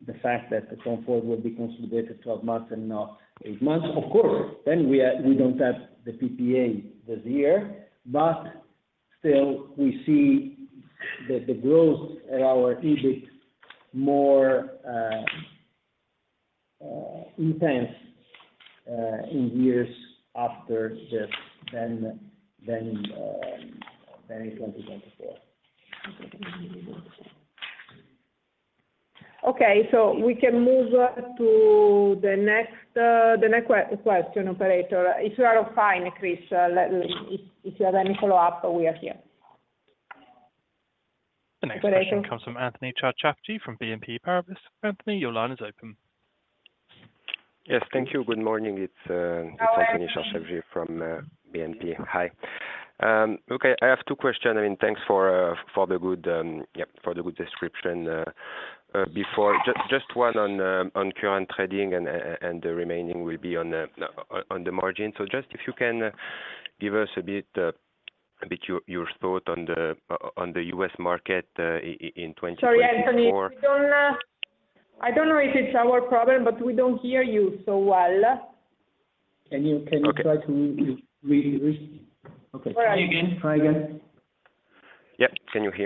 the fact that Tom Ford will be consolidated 12 months and not eight months. Of course, then we don't have the PPA this year. But still, we see the growth at our EBIT more intense in years after this than in 2024. Okay. So we can move to the next question, operator. If you are fine, Chris, if you have any follow-up, we are here. The next question comes from Anthony Charchafji from BNP Paribas. Anthony, your line is open. Yes. Thank you. Good morning. It's Anthony Charchafji from BNP. Hi. Okay. I have two questions. I mean, thanks for the good yeah, for the good description before. Just one on current trading, and the remaining will be on the margin. So just if you can give us a bit your thought on the US market in 2024. Sorry, Anthony. I don't know if it's our problem, but we don't hear you so well. Try again. Try again. Yep. Can you hear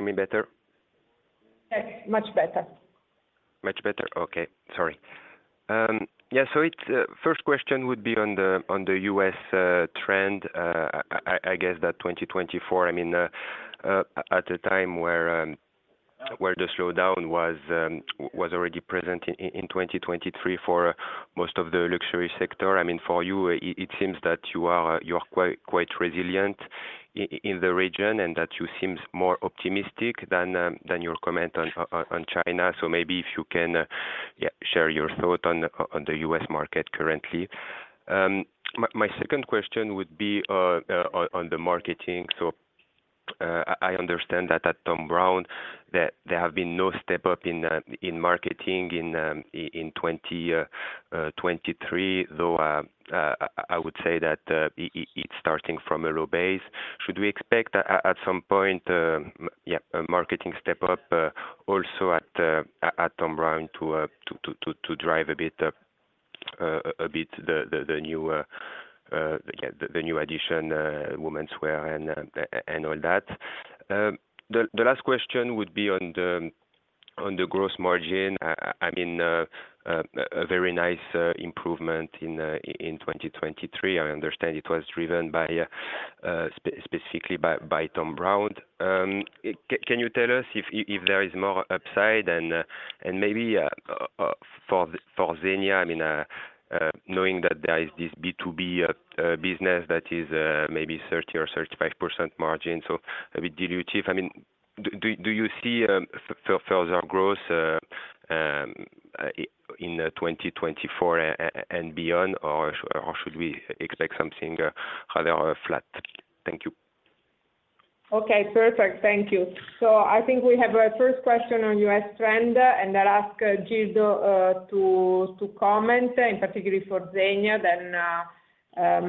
me better? Yes. Much better. Much better? Okay. Sorry. Yeah. So first question would be on the U.S. trend, I guess, that 2024. I mean, at a time where the slowdown was already present in 2023 for most of the luxury sector, I mean, for you, it seems that you are quite resilient in the region and that you seem more optimistic than your comment on China. So maybe if you can share your thought on the U.S. market currently. My second question would be on the marketing. So I understand that at Thom Browne, there have been no step-up in marketing in 2023, though I would say that it's starting from a low base. Should we expect at some point, yeah, a marketing step-up also at Thom Browne to drive a bit the new addition, women's wear, and all that? The last question would be on the gross margin. I mean, a very nice improvement in 2023. I understand it was driven specifically by Thom Browne. Can you tell us if there is more upside? And maybe for Zegna, I mean, knowing that there is this B2B business that is maybe 30%-35% margin, so a bit dilutive, I mean, do you see further growth in 2024 and beyond, or should we expect something rather flat? Thank you. Okay. Perfect. Thank you. So I think we have a first question on U.S. trend. And I'll ask Gildo to comment, in particular for Zegna, then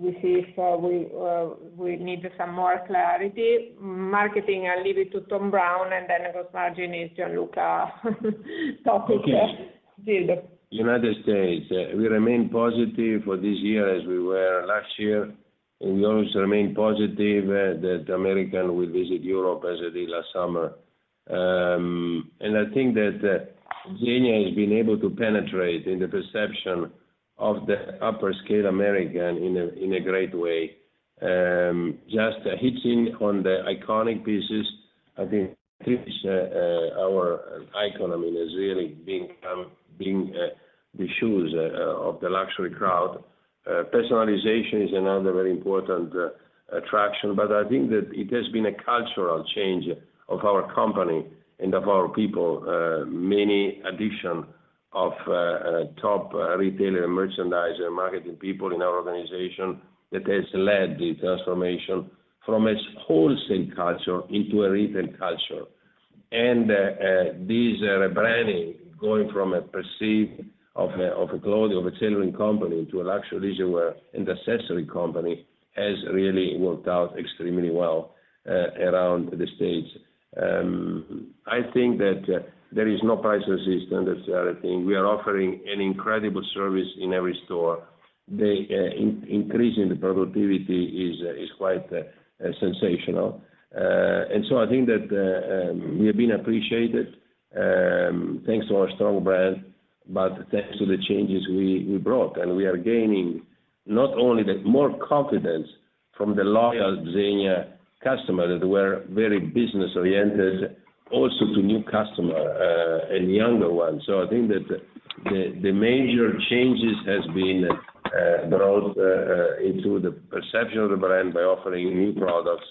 we see if we need some more clarity. Marketing, I'll leave it to Thom Browne. And then gross margin is Gianluca's topic. Gildo. United States. We remain positive for this year as we were last year. We always remain positive that the American will visit Europe as they did last summer. I think that Zegna has been able to penetrate in the perception of the upper-scale American in a great way, just hitting on the iconic pieces. I think our icon, I mean, is really being the shoes of the luxury crowd. Personalization is another very important attraction. I think that it has been a cultural change of our company and of our people, many addition of top retailer and merchandiser marketing people in our organization that has led the transformation from a wholesale culture into a retail culture. This rebranding, going from a perceived of a clothing, of a tailoring company into a luxury leisurewear and accessory company, has really worked out extremely well around the States. I think that there is no price resistance. That's the other thing. We are offering an incredible service in every store. Increasing the productivity is quite sensational. And so I think that we have been appreciated thanks to our strong brand, but thanks to the changes we brought. And we are gaining not only more confidence from the loyal Zegna customer that were very business-oriented, also to new customer, a younger one. So I think that the major changes have been brought into the perception of the brand by offering new products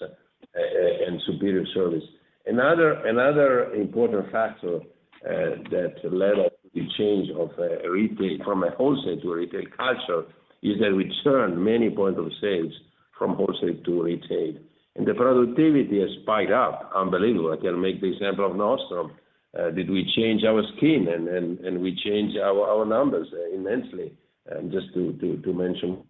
and superior service. Another important factor that led to the change of retail from a wholesale to a retail culture is that we turned many points of sales from wholesale to retail. And the productivity has spiked up unbelievably. I can make the example of Nordstrom. Did we change our skin? We changed our numbers immensely, just to mention.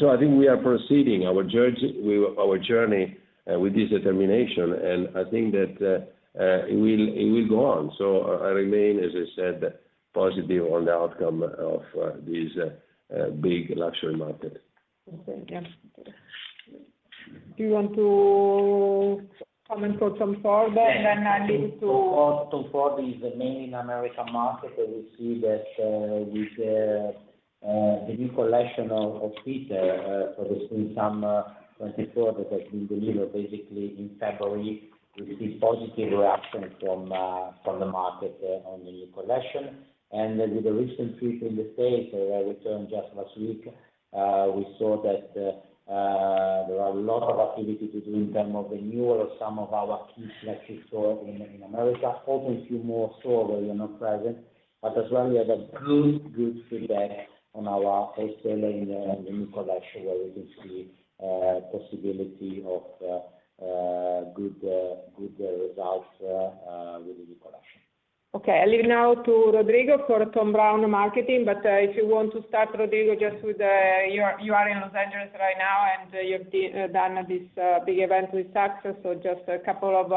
So I think we are proceeding our journey with this determination. I think that it will go on. So I remain, as I said, positive on the outcome of this big luxury market. Okay. Yeah. Do you want to comment for Tom Ford, then I'll leave it to. Tom Ford is the main in the American market, and we see that with the new collection of Peter for the spring/summer 2024 that has been delivered basically in February, we see positive reaction from the market on the new collection. With the recent trip in the States, I returned just last week, we saw that there are a lot of activity to do in terms of renewal of some of our key flagship stores in America, also a few more stores where we are not present. But as well, we had good feedback on our wholesale in the new collection where we can see possibility of good results with the new collection. Okay. I'll leave now to Rodrigo for Thom Browne marketing. But if you want to start, Rodrigo, just with you are in Los Angeles right now, and you've done this big event with Saks. So just a couple of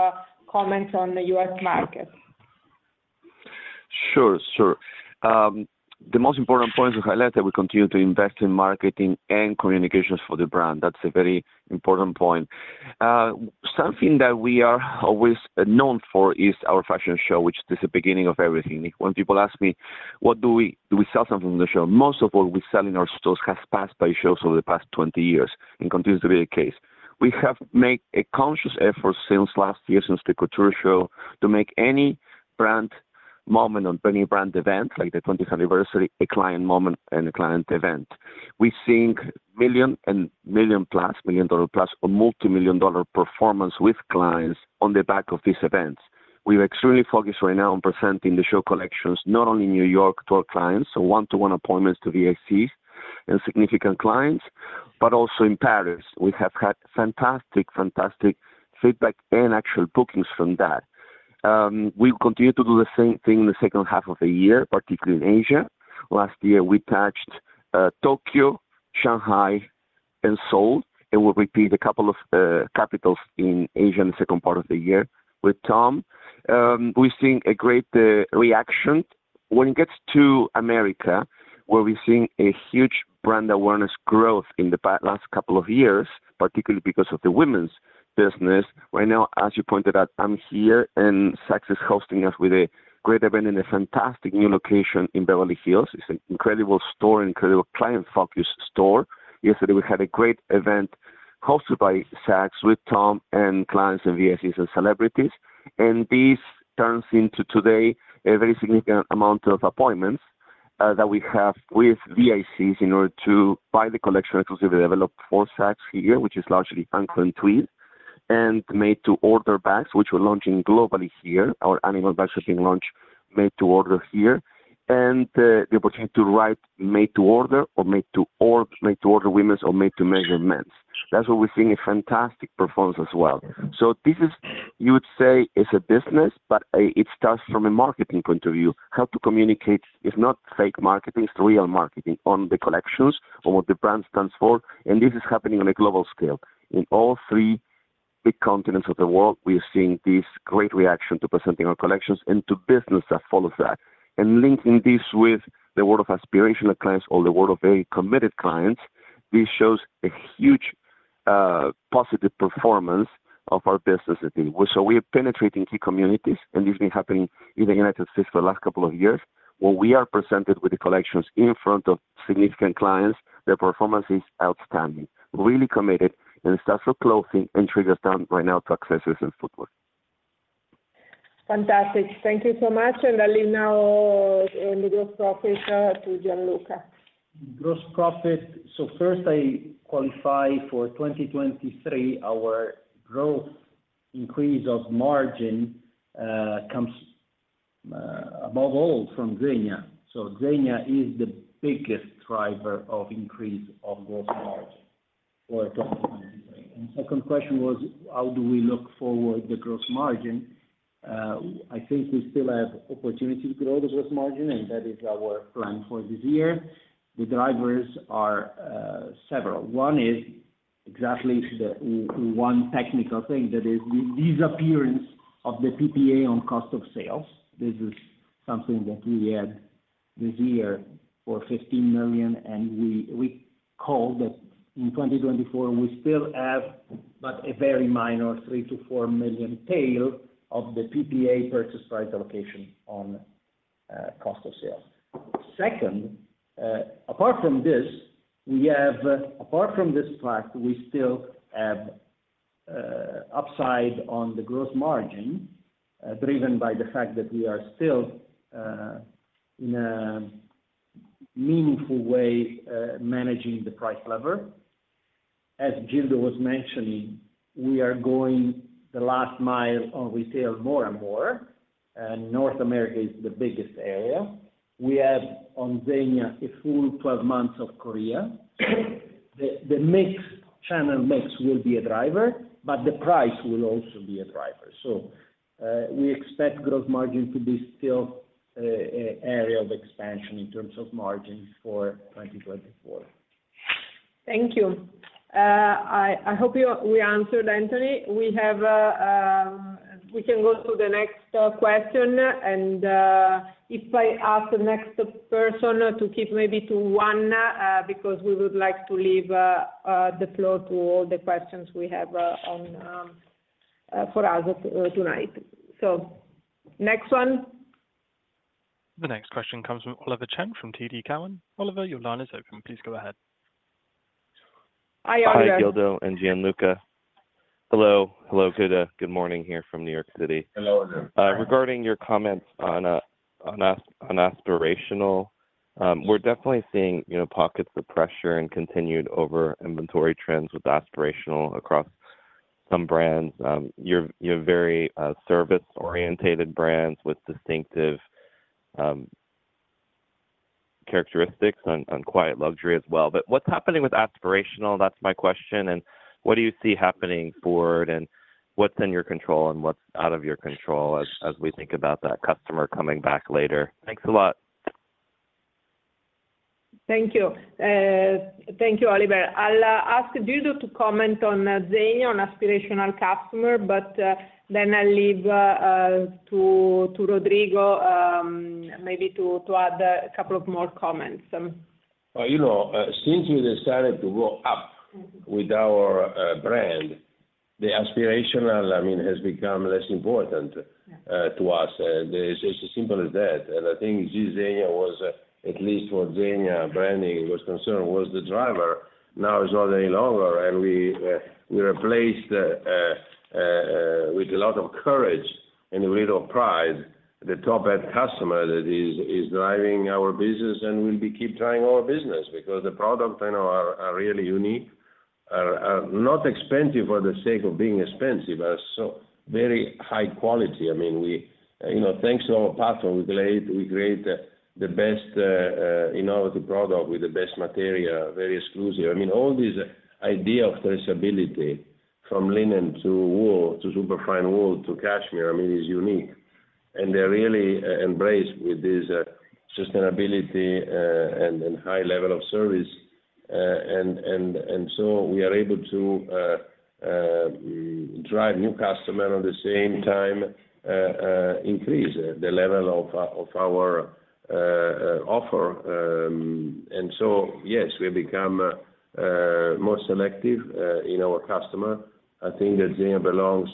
comments on the U.S. market. Sure. Sure. The most important point to highlight that we continue to invest in marketing and communications for the brand, that's a very important point. Something that we are always known for is our fashion show, which is the beginning of everything. When people ask me, "What do we sell something on the show?" Most of what we sell in our stores has passed by shows over the past 20 years and continues to be the case. We have made a conscious effort since last year, since the Couture Show, to make any brand moment or any brand event like the 20th anniversary, a client moment and a client event. We're seeing million-plus, million-dollar-plus, or multi-million-dollar performance with clients on the back of these events. We're extremely focused right now on presenting the show collections, not only in New York to our clients, so one-to-one appointments to VICs and significant clients, but also in Paris. We have had fantastic, fantastic feedback and actual bookings from that. We continue to do the same thing in the second half of the year, particularly in Asia. Last year, we touched Tokyo, Shanghai, and Seoul, and we'll repeat a couple of capitals in Asia in the second part of the year with Tom. We're seeing a great reaction. When it gets to America, where we're seeing a huge brand awareness growth in the last couple of years, particularly because of the women's business, right now, as you pointed out, I'm here, and Saks is hosting us with a great event in a fantastic new location in Beverly Hills. It's an incredible store, an incredible client-focused store. Yesterday, we had a great event hosted by Saks with Tom and clients and VICs and celebrities. This turns into today a very significant amount of appointments that we have with VICs in order to buy the collection exclusively developed for Saks here, which is largely Flannel and Tweed and made-to-order bags, which we're launching globally here. Our animal bags are being launched, made-to-order here, and the opportunity to write made-to-order or made-to-order women's or made-to-measure men's. That's what we're seeing a fantastic performance as well. So this is, you would say, a business, but it starts from a marketing point of view, how to communicate, if not fake marketing, it's real marketing on the collections or what the brand stands for. And this is happening on a global scale. In all three big continents of the world, we are seeing this great reaction to presenting our collections and to business that follows that. Linking this with the world of aspirational clients or the world of very committed clients, this shows a huge positive performance of our business. We are penetrating key communities, and this has been happening in the United States for the last couple of years. When we are presented with the collections in front of significant clients, their performance is outstanding, really committed, and it starts with clothing and triggers down right now to accessories and footwear. Fantastic. Thank you so much. I'll leave now the gross profit to Gianluca. Gross profit. So first, I qualify for 2023, our growth increase of margin comes above all from Zegna. So Zegna is the biggest driver of increase of gross margin for 2023. And second question was, how do we look forward to the gross margin? I think we still have opportunity to grow the gross margin, and that is our plan for this year. The drivers are several. One is exactly one technical thing, that is this disappearance of the PPA on cost of sales. This is something that we had this year for 15 million, and we call that in 2024, we still have but a very minor 3 million to 4 million tail of the PPA purchase price allocation on cost of sales. Second, apart from this fact, we still have upside on the gross margin driven by the fact that we are still, in a meaningful way, managing the price lever. As Gildo was mentioning, we are going the last mile on retail more and more. North America is the biggest area. We have on Zegna a full 12 months of Korea. The mixed channel mix will be a driver, but the price will also be a driver. We expect gross margin to be still an area of expansion in terms of margin for 2024. Thank you. I hope we answered, Anthony. We can go to the next question. If I ask the next person to keep maybe to one because we would like to leave the floor to all the questions we have for us tonight. Next one. The next question comes from Oliver Chen from TD Cowen. Oliver, your line is open. Please go ahead. Hi, Oliver. Hi, Gildo, and Gianluca. Hello. Hello, Gildo. Good morning here from New York City. Hello, Oliver. Regarding your comments on aspirational, we're definitely seeing pockets of pressure and continued over-inventory trends with aspirational across some brands. You're very service-oriented brands with distinctive characteristics on quiet luxury as well. But what's happening with aspirational? That's my question. And what do you see happening forward? And what's in your control and what's out of your control as we think about that customer coming back later? Thanks a lot. Thank you. Thank you, Oliver. I'll ask Gildo to comment on Zegna, on aspirational customer, but then I'll leave to Rodrigo maybe to add a couple of more comments. Well, since we decided to go up with our brand, the aspirational, I mean, has become less important to us. It's as simple as that. And I think Zegna was, at least for Zegna branding, it was concerned, was the driver. Now it's not any longer. And we replaced, with a lot of courage and a little pride, the top-end customer that is driving our business and will keep driving our business because the products are really unique, are not expensive for the sake of being expensive, are very high quality. I mean, thanks to our pattern, we create the best innovative product with the best material, very exclusive. I mean, all this idea of traceability from linen to wool to superfine wool to cashmere, I mean, is unique. And they're really embraced with this sustainability and high level of service. And so we are able to drive new customer and at the same time increase the level of our offer. And so, yes, we have become more selective in our customer. I think that Zegna belongs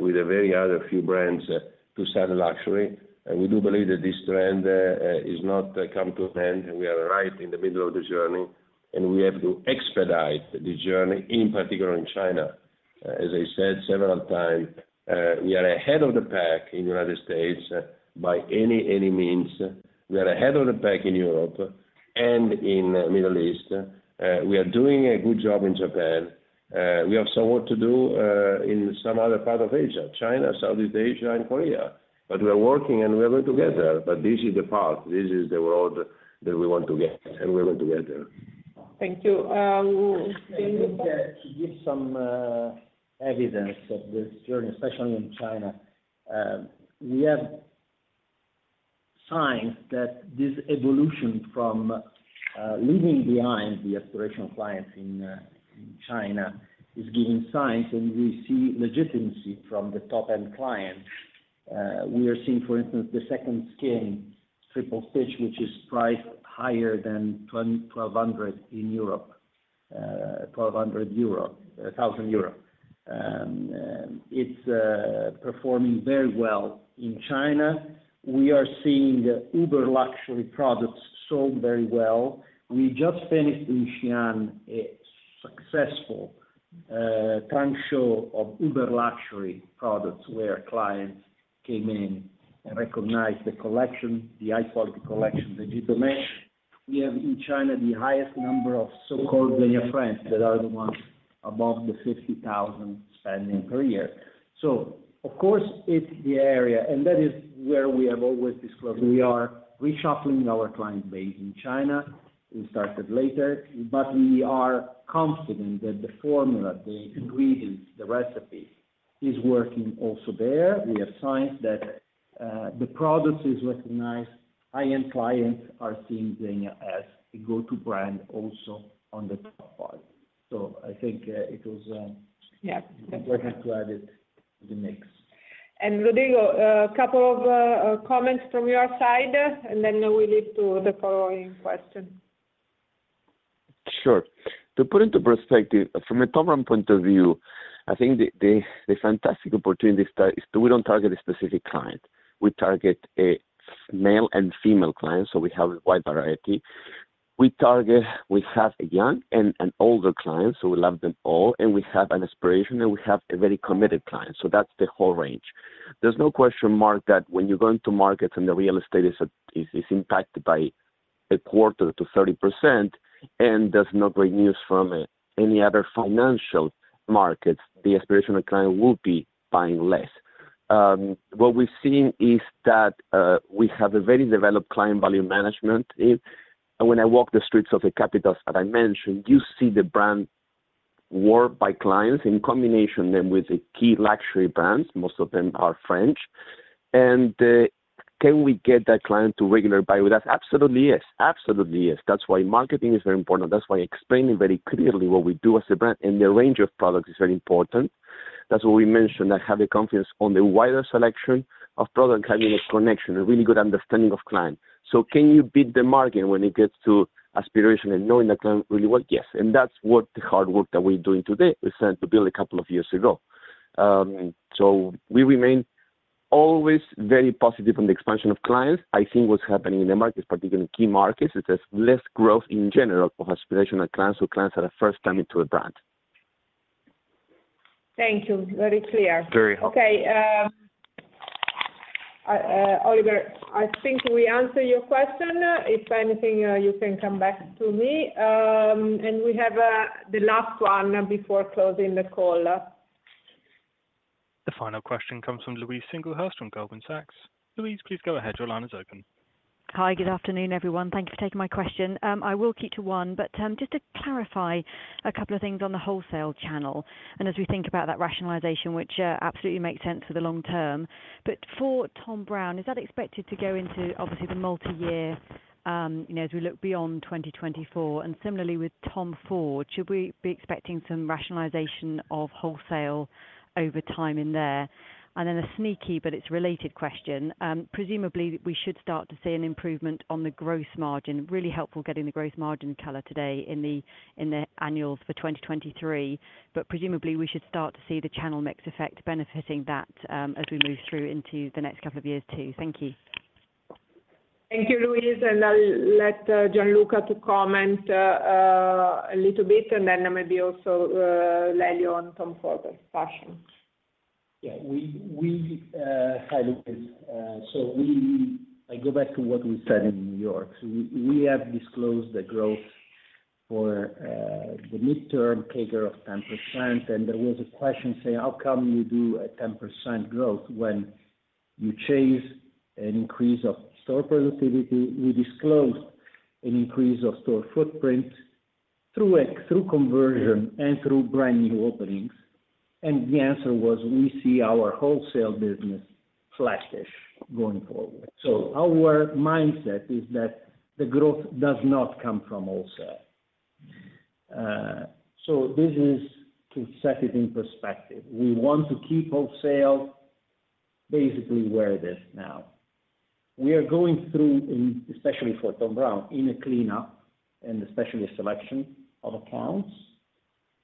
with a very few other brands to super luxury. And we do believe that this trend is not come to an end. We are right in the middle of the journey, and we have to expedite the journey, in particular in China. As I said several times, we are ahead of the pack in the United States by any, any means. We are ahead of the pack in Europe and in the Middle East. We are doing a good job in Japan. We have some work to do in some other part of Asia, China, Southeast Asia, and Korea. But we are working, and we are going together. But this is the path. This is the road that we want to get, and we are going together. Thank you, Gianluca. I think that to give some evidence of this journey, especially in China, we have signs that this evolution from leaving behind the aspirational clients in China is giving signs, and we see legitimacy from the top-end clients. We are seeing, for instance, the Second Skin Triple Stitch, which is priced higher than 1,200 in Europe, 1,000 euro. It's performing very well in China. We are seeing uber-luxury products sold very well. We just finished in Xi'an a successful trend show of uber- luxury products where clients came in and recognized the collection, the high-quality collection that Gildo mentioned. We have in China the highest number of so-called Zegna friends that are the ones above the 50,000 spending per year. So, of course, it's the area, and that is where we have always discussed. We are reshuffling our client base in China. We started later, but we are confident that the formula, the ingredients, the recipe is working also there. We have signs that the product is recognized. High-end clients are seeing Zegna as a go-to brand also on the top part. So I think it was important to add it to the mix. Rodrigo, a couple of comments from your side, and then we'll leave to the following question. Sure. To put it into perspective, from a Thom Browne point of view, I think the fantastic opportunity is that we don't target a specific client. We target male and female clients, so we have a wide variety. We have young and older clients, so we love them all. And we have an aspiration, and we have a very committed client. So that's the whole range. There's no question mark that when you go into markets and the real estate is impacted by 25%-30% and there's no great news from any other financial markets, the aspirational client will be buying less. What we're seeing is that we have a very developed client value management. When I walk the streets of the capitals that I mentioned, you see the brand worn by clients in combination then with the key luxury brands. Most of them are French. And can we get that client to regularly buy with us? Absolutely, yes. Absolutely, yes. That's why marketing is very important. That's why explaining very clearly what we do as a brand and the range of products is very important. That's why we mentioned I have the confidence on the wider selection of products, having a connection, a really good understanding of clients. So can you beat the market when it gets to aspiration and knowing the client really well? Yes. And that's what the hard work that we're doing today is trying to build a couple of years ago. So we remain always very positive on the expansion of clients. I think what's happening in the markets, particularly key markets, is there's less growth in general of aspirational clients or clients that are first coming to the brand. Thank you. Very clear. Very helpful. Okay. Oliver, I think we answered your question. If anything, you can come back to me. We have the last one before closing the call. The final question comes from Louise Singlehurst from Goldman Sachs. Louise, please go ahead. Your line is open. Hi. Good afternoon, everyone. Thank you for taking my question. I will keep to one, but just to clarify a couple of things on the wholesale channel. And as we think about that rationalization, which absolutely makes sense for the long term. But for Thom Browne, is that expected to go into, obviously, the multiyear as we look beyond 2024? And similarly with Tom Ford, should we be expecting some rationalization of wholesale over time in there? And then a sneaky, but it's related question. Presumably, we should start to see an improvement on the gross margin. Really helpful getting the gross margin color today in the annuals for 2023. But presumably, we should start to see the channel mix effect benefiting that as we move through into the next couple of years too. Thank you. Thank you, Louise. I'll let Gianluca to comment a little bit, and then maybe also let you on Tom Ford's question. Yeah. Hi, Louise. So I go back to what we said in New York. So we have disclosed the growth for the midterm CAGR of 10%. And there was a question saying, "How come you do a 10% growth when you chase an increase of store productivity?" We disclosed an increase of store footprint through conversion and through brand new openings. And the answer was, "We see our wholesale business flattish going forward." So our mindset is that the growth does not come from wholesale. So this is to set it in perspective. We want to keep wholesale basically where it is now. We are going through, especially for Thom Browne, in a cleanup and especially a selection of accounts.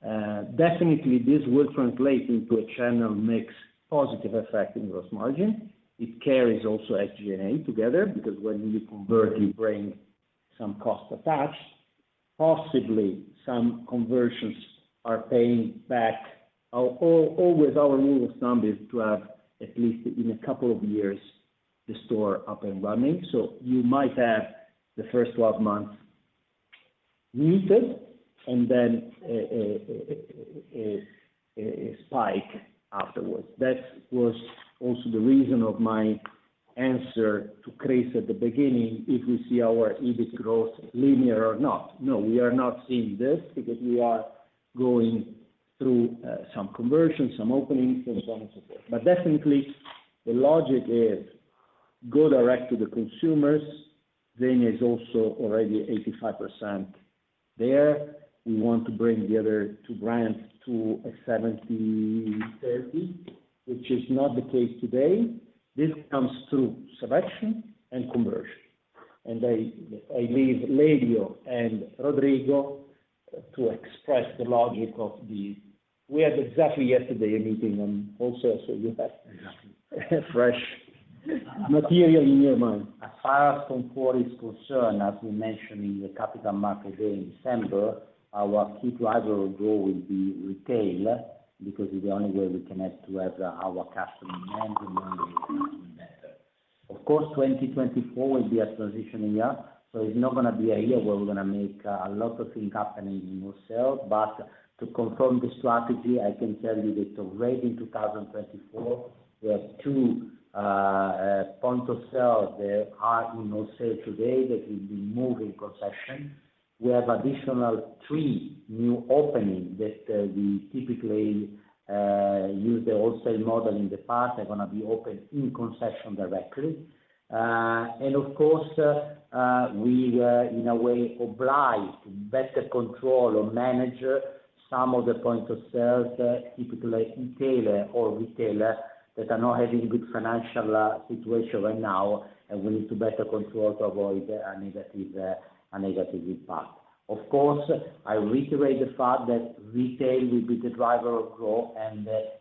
Definitely, this will translate into a channel mix positive effect in gross margin. It carries also SG&A together because when you convert, you bring some cost attached. Possibly, some conversions are paying back. Always, our rule of thumb is to have at least in a couple of years, the store up and running. So you might have the first 12 months muted and then a spike afterwards. That was also the reason of my answer to Chris at the beginning, "If we see our EBIT growth linear or not." No, we are not seeing this because we are going through some conversions, some openings, and so on and so forth. But definitely, the logic is go direct to the consumers. Zegna is also already 85% there. We want to bring the other two brands to a 70/30, which is not the case today. This comes through selection and conversion. And I leave Lelio and Rodrigo to express the logic of the. We had exactly yesterday a meeting on wholesale, so you have fresh material in your mind. As far as Tom Ford is concerned, as we mentioned in the capital market day in December, our key driver of growth will be retail because it's the only way we can have to have our customer management better. Of course, 2024 will be a transition year. So it's not going to be a year where we're going to make a lot of things happening in wholesale. But to confirm the strategy, I can tell you that already in 2024, we have two points of sale that are in wholesale today that will be moved in concession. We have additional three new openings that we typically use the wholesale model in the past. They're going to be opened in concession directly. Of course, we were, in a way, obliged to better control or manage some of the points of sale, typically retailers, that are not having a good financial situation right now. We need to better control to avoid a negative impact. Of course, I reiterate the fact that retail will be the driver of growth.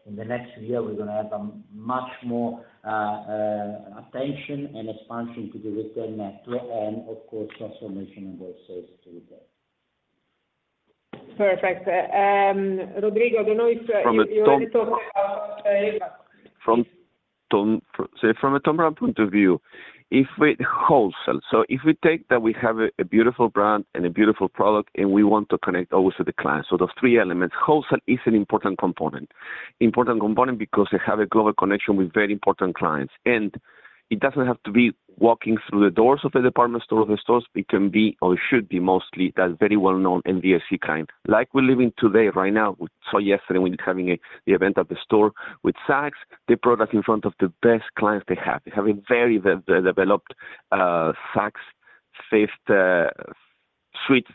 In the next year, we're going to have much more attention and expansion to the retail network and, of course, transformation and wholesale to retail. Perfect. Rodrigo, I don't know if you want to talk about wholesale. From Thom Browne's point of view, if we wholesale so if we take that we have a beautiful brand and a beautiful product, and we want to connect always with the clients. So those three elements, wholesale is an important component. Important component because they have a global connection with very important clients. And it doesn't have to be walking through the doors of the department store or the stores. It can be or should be mostly that very well-known VIC client. Like we're living today, right now, we saw yesterday when we were having the event at the store with Saks, they brought us in front of the best clients they have. They have a very developed Saks First suite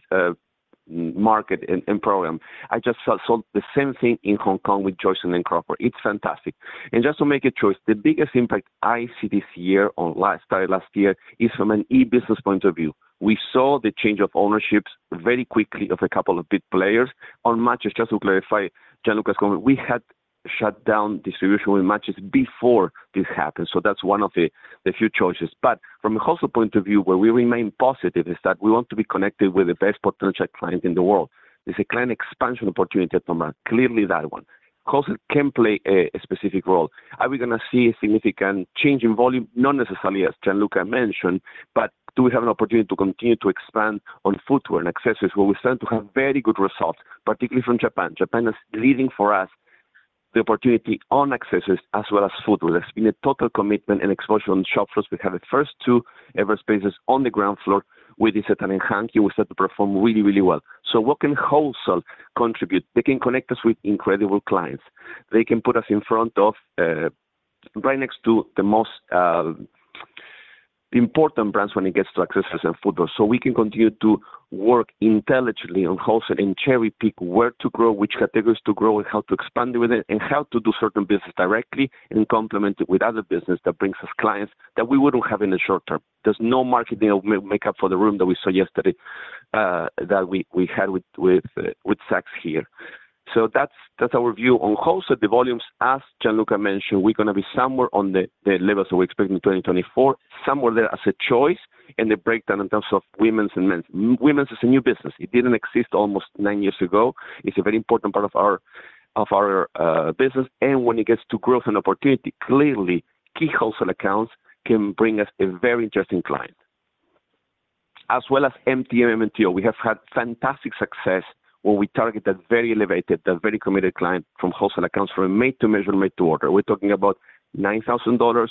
market and program. I just saw the same thing in Hong Kong with Joyce and Lane Crawford. It's fantastic. And just to make a choice, the biggest impact I see this year on started last year is from an e-business point of view. We saw the change of ownerships very quickly of a couple of big players on MATCHES. Just to clarify, Gianluca has commented, we had shut down distribution with MATCHES before this happened. So that's one of the few choices. But from a wholesale point of view, where we remain positive is that we want to be connected with the best potential client in the world. It's a client expansion opportunity, Thom Browne. Clearly, that one. Wholesale can play a specific role. Are we going to see a significant change in volume? Not necessarily, as Gianluca mentioned, but do we have an opportunity to continue to expand on footwear and accessories where we start to have very good results, particularly from Japan? Japan is leading for us the opportunity on accessories as well as footwear. There's been a total commitment and exposure on shop floors. We have the first two ever spaces on the ground floor with Isetan and Hankyu. We start to perform really, really well. So what can wholesale contribute? They can connect us with incredible clients. They can put us in front of right next to the most important brands when it gets to accessories and footwear. So we can continue to work intelligently on wholesale and cherry-pick where to grow, which categories to grow, and how to expand with it, and how to do certain business directly and complement it with other business that brings us clients that we wouldn't have in the short term. There's no marketing makeup for the room that we saw yesterday that we had with Saks here. So that's our view on wholesale, the volumes. As Gianluca mentioned, we're going to be somewhere on the levels that we expect in 2024, somewhere there as a choice and a breakdown in terms of women's and men's. Women's is a new business. It didn't exist almost nine years ago. It's a very important part of our business. And when it gets to growth and opportunity, clearly, key wholesale accounts can bring us a very interesting client. As well as MTM and MTO. We have had fantastic success where we target that very elevated, that very committed client from wholesale accounts from made-to-measure, made-to-order. We're talking about $9,000,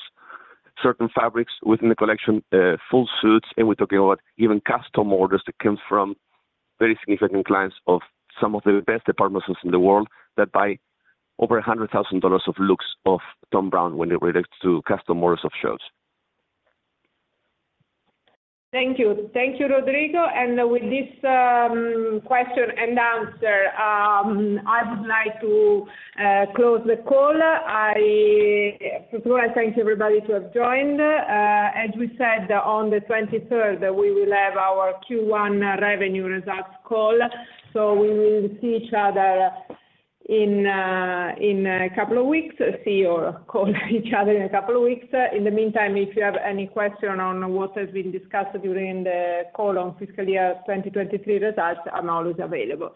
certain fabrics within the collection, full suits. We're talking about even custom orders that come from very significant clients of some of the best department stores in the world that buy over $100,000 of looks of Thom Browne when it relates to custom orders of shows. Thank you. Thank you, Rodrigo. And with this question and answer, I would like to close the call. First of all, I thank everybody who has joined. As we said, on the 23rd, we will have our Q1 revenue results call. So we will see each other in a couple of weeks, see or call each other in a couple of weeks. In the meantime, if you have any question on what has been discussed during the call on fiscal year 2023 results, I'm always available.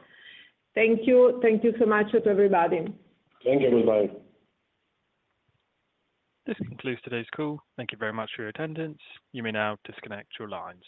Thank you. Thank you so much to everybody. Thank you. Goodbye. This concludes today's call. Thank you very much for your attendance. You may now disconnect your lines.